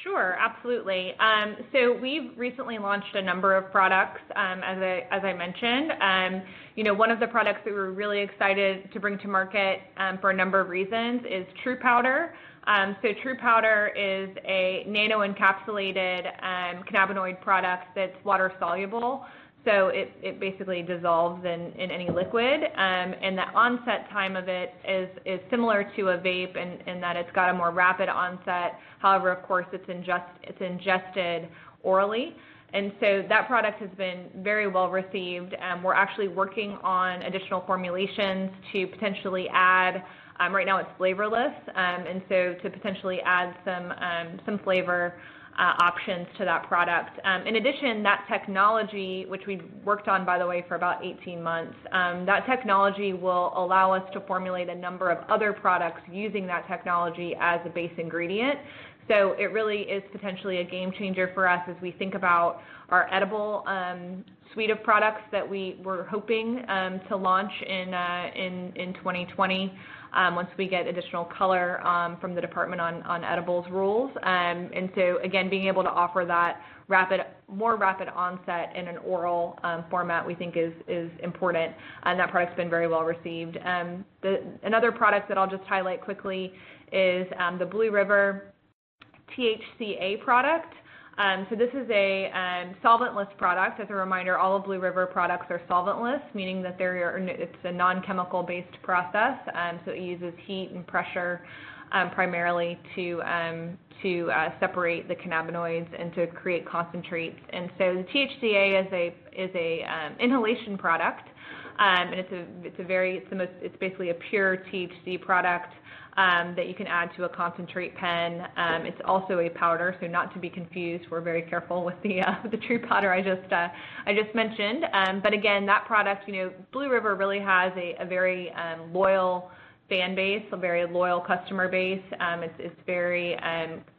Sure, absolutely. We've recently launched a number of products, as I mentioned. One of the products that we're really excited to bring to market, for a number of reasons, is TruPowder. TruPowder is a nano-encapsulated cannabinoid product that's water-soluble, so it basically dissolves in any liquid. The onset time of it is similar to a vape in that it's got a more rapid onset. However, of course, it's ingested orally. That product has been very well-received. We're actually working on additional formulations to potentially add, right now it's flavorless, and so to potentially add some flavor options to that product. In addition, that technology, which we've worked on, by the way, for about 18 months, that technology will allow us to formulate a number of other products using that technology as a base ingredient. It really is potentially a game changer for us as we think about our edible suite of products that we were hoping to launch in 2020 once we get additional color from the department on edibles rules. Again, being able to offer that more rapid onset in an oral format we think is important, and that product's been very well received. Another product that I'll just highlight quickly is the Blue River THCA product. This is a solventless product. As a reminder, all Blue River products are solventless, meaning that it's a non-chemical based process. It uses heat and pressure, primarily to separate the cannabinoids and to create concentrates. The THCA is a inhalation product, and it's basically a pure THC product that you can add to a concentrate pen. It's also a powder, so not to be confused, we're very careful with the TruPowder I just mentioned. Again, Blue River really has a very loyal fan base, a very loyal customer base. It's very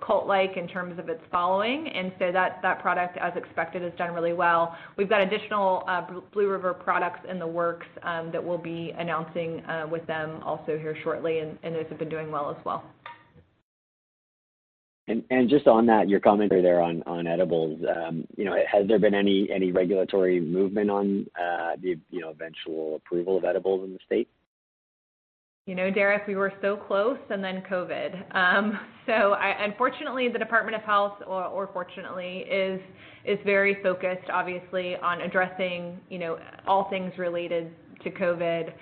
cult-like in terms of its following. That product, as expected, has done really well. We've got additional Blue River products in the works that we'll be announcing with them also here shortly, and those have been doing well as well. Just on that, your commentary there on edibles, has there been any regulatory movement on the eventual approval of edibles in the state? Derek, we were so close, and then COVID. Unfortunately, the Department of Health, or fortunately, is very focused, obviously, on addressing all things related to COVID,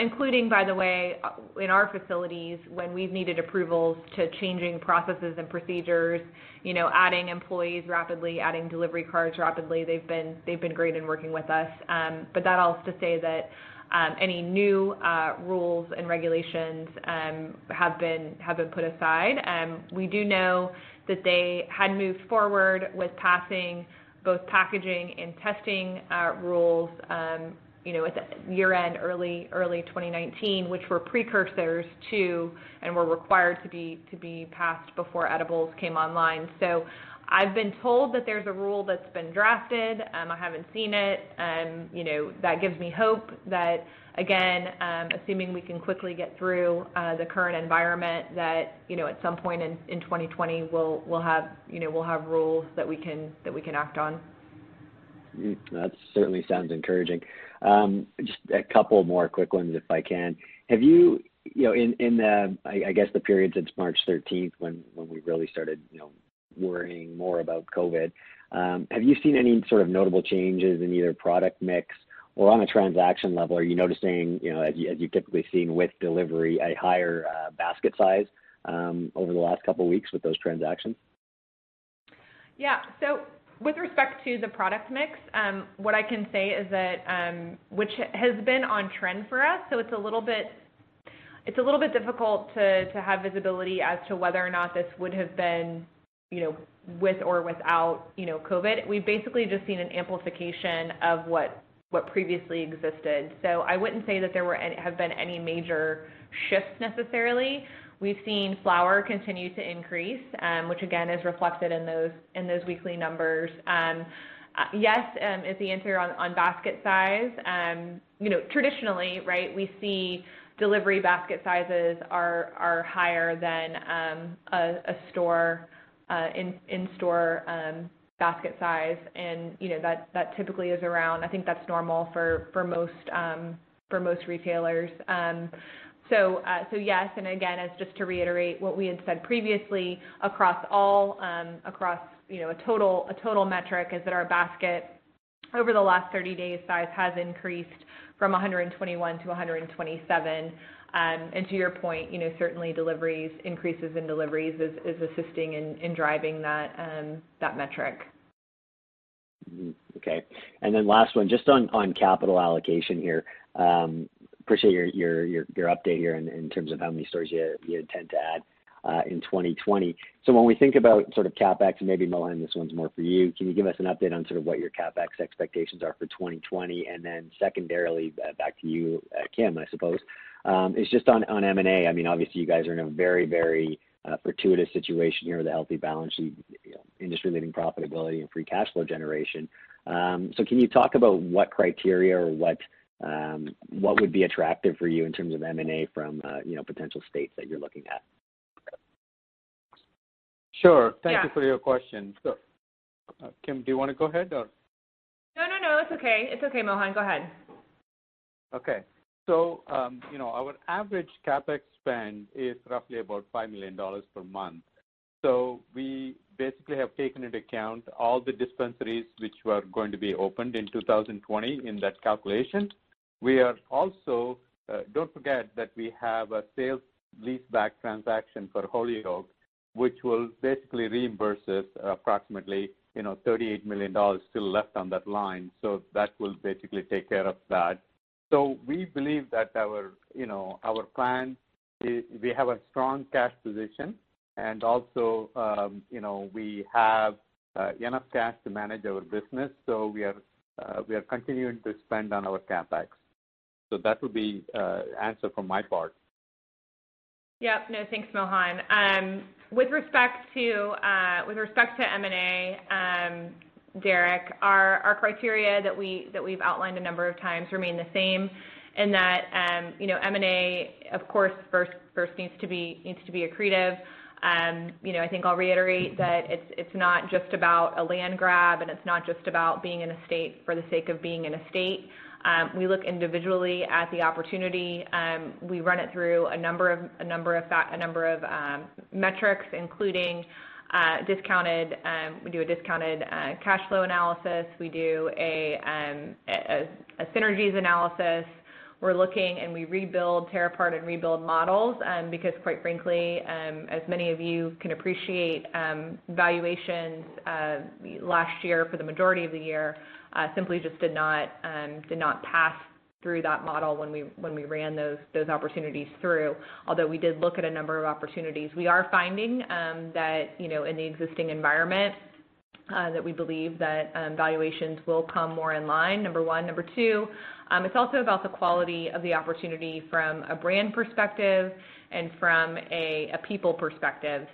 including, by the way, in our facilities, when we've needed approvals to changing processes and procedures, adding employees rapidly, adding delivery cars rapidly, they've been great in working with us. That all is to say that any new rules and regulations have been put aside. We do know that they had moved forward with passing both packaging and testing rules at year-end, early 2019, which were precursors to, and were required to be passed before edibles came online. I've been told that there's a rule that's been drafted. I haven't seen it. That gives me hope that, again, assuming we can quickly get through the current environment, that at some point in 2020, we'll have rules that we can act on. That certainly sounds encouraging. Just a couple more quick ones, if I can. In the, I guess the period since March 13th, when we really started worrying more about COVID, have you seen any sort of notable changes in either product mix or on a transaction level? Are you noticing, as you typically seen with delivery, a higher basket size over the last couple of weeks with those transactions? With respect to the product mix, what I can say is that, which has been on trend for us, it's a little bit difficult to have visibility as to whether or not this would have been with or without COVID-19. We've basically just seen an amplification of what previously existed. I wouldn't say that there have been any major shifts necessarily. We've seen flower continue to increase, which again, is reflected in those weekly numbers. Yes is the answer on basket size. Traditionally, we see delivery basket sizes are higher than in store basket size, and that typically is around, I think that's normal for most retailers. Yes, and again, as just to reiterate what we had said previously, across a total metric, is that our basket over the last 30 days, size has increased from 121 to 127. To your point, certainly increases in deliveries is assisting in driving that metric. Okay. Last one, just on capital allocation here. Appreciate your update here in terms of how many stores you intend to add in 2020. When we think about CapEx, and maybe, Mohan, this one's more for you, can you give us an update on what your CapEx expectations are for 2020? Secondarily, back to you, Kim, I suppose, is just on M&A. Obviously, you guys are in a very, very fortuitous situation here with a healthy balance sheet, industry-leading profitability and free cash flow generation. Can you talk about what criteria or what would be attractive for you in terms of M&A from potential states that you're looking at? Sure. Yeah. Thank you for your question. Kim, do you want to go ahead or? No, it's okay, Mohan. Go ahead. Okay. Our average CapEx spend is roughly about $5 million per month. We basically have taken into account all the dispensaries which were going to be opened in 2020 in that calculation. Don't forget that we have a sales leaseback transaction for Holyoke, which will basically reimburse us approximately $38 million still left on that line. That will basically take care of that. We believe that our plan is we have a strong cash position and also, we have enough cash to manage our business. We are continuing to spend on our CapEx. That would be answer from my part. Yep. No, thanks, Mohan. With respect to M&A, Derek, our criteria that we've outlined a number of times remain the same in that, M&A, of course, first needs to be accretive. I think I'll reiterate that it's not just about a land grab, and it's not just about being in a state for the sake of being in a state. We look individually at the opportunity. We run it through a number of metrics, including we do a discounted cash flow analysis. We do a synergies analysis. We're looking and we tear apart and rebuild models because quite frankly, as many of you can appreciate, valuations last year, for the majority of the year, simply just did not pass through that model when we ran those opportunities through, although we did look at a number of opportunities. We are finding that in the existing environment, that we believe that valuations will come more in line, number one. Number two, it's also about the quality of the opportunity from a brand perspective and from a people perspective.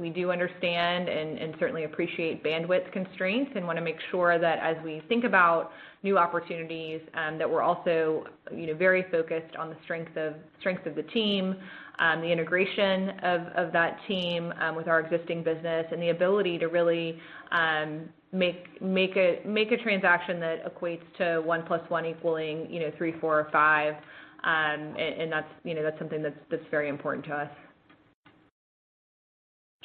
We do understand and certainly appreciate bandwidth constraints and want to make sure that as we think about new opportunities, that we're also very focused on the strength of the team, the integration of that team with our existing business, and the ability to really make a transaction that equates to one plus one equaling three, four, or five. That's something that's very important to us.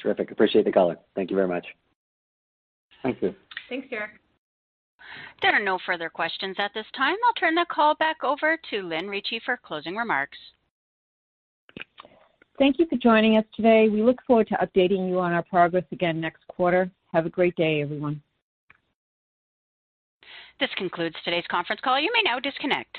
Terrific. Appreciate the color. Thank you very much. Thank you. Thanks, Derek. There are no further questions at this time. I'll turn the call back over to Lynn Ricci for closing remarks. Thank you for joining us today. We look forward to updating you on our progress again next quarter. Have a great day, everyone. This concludes today's conference call. You may now disconnect.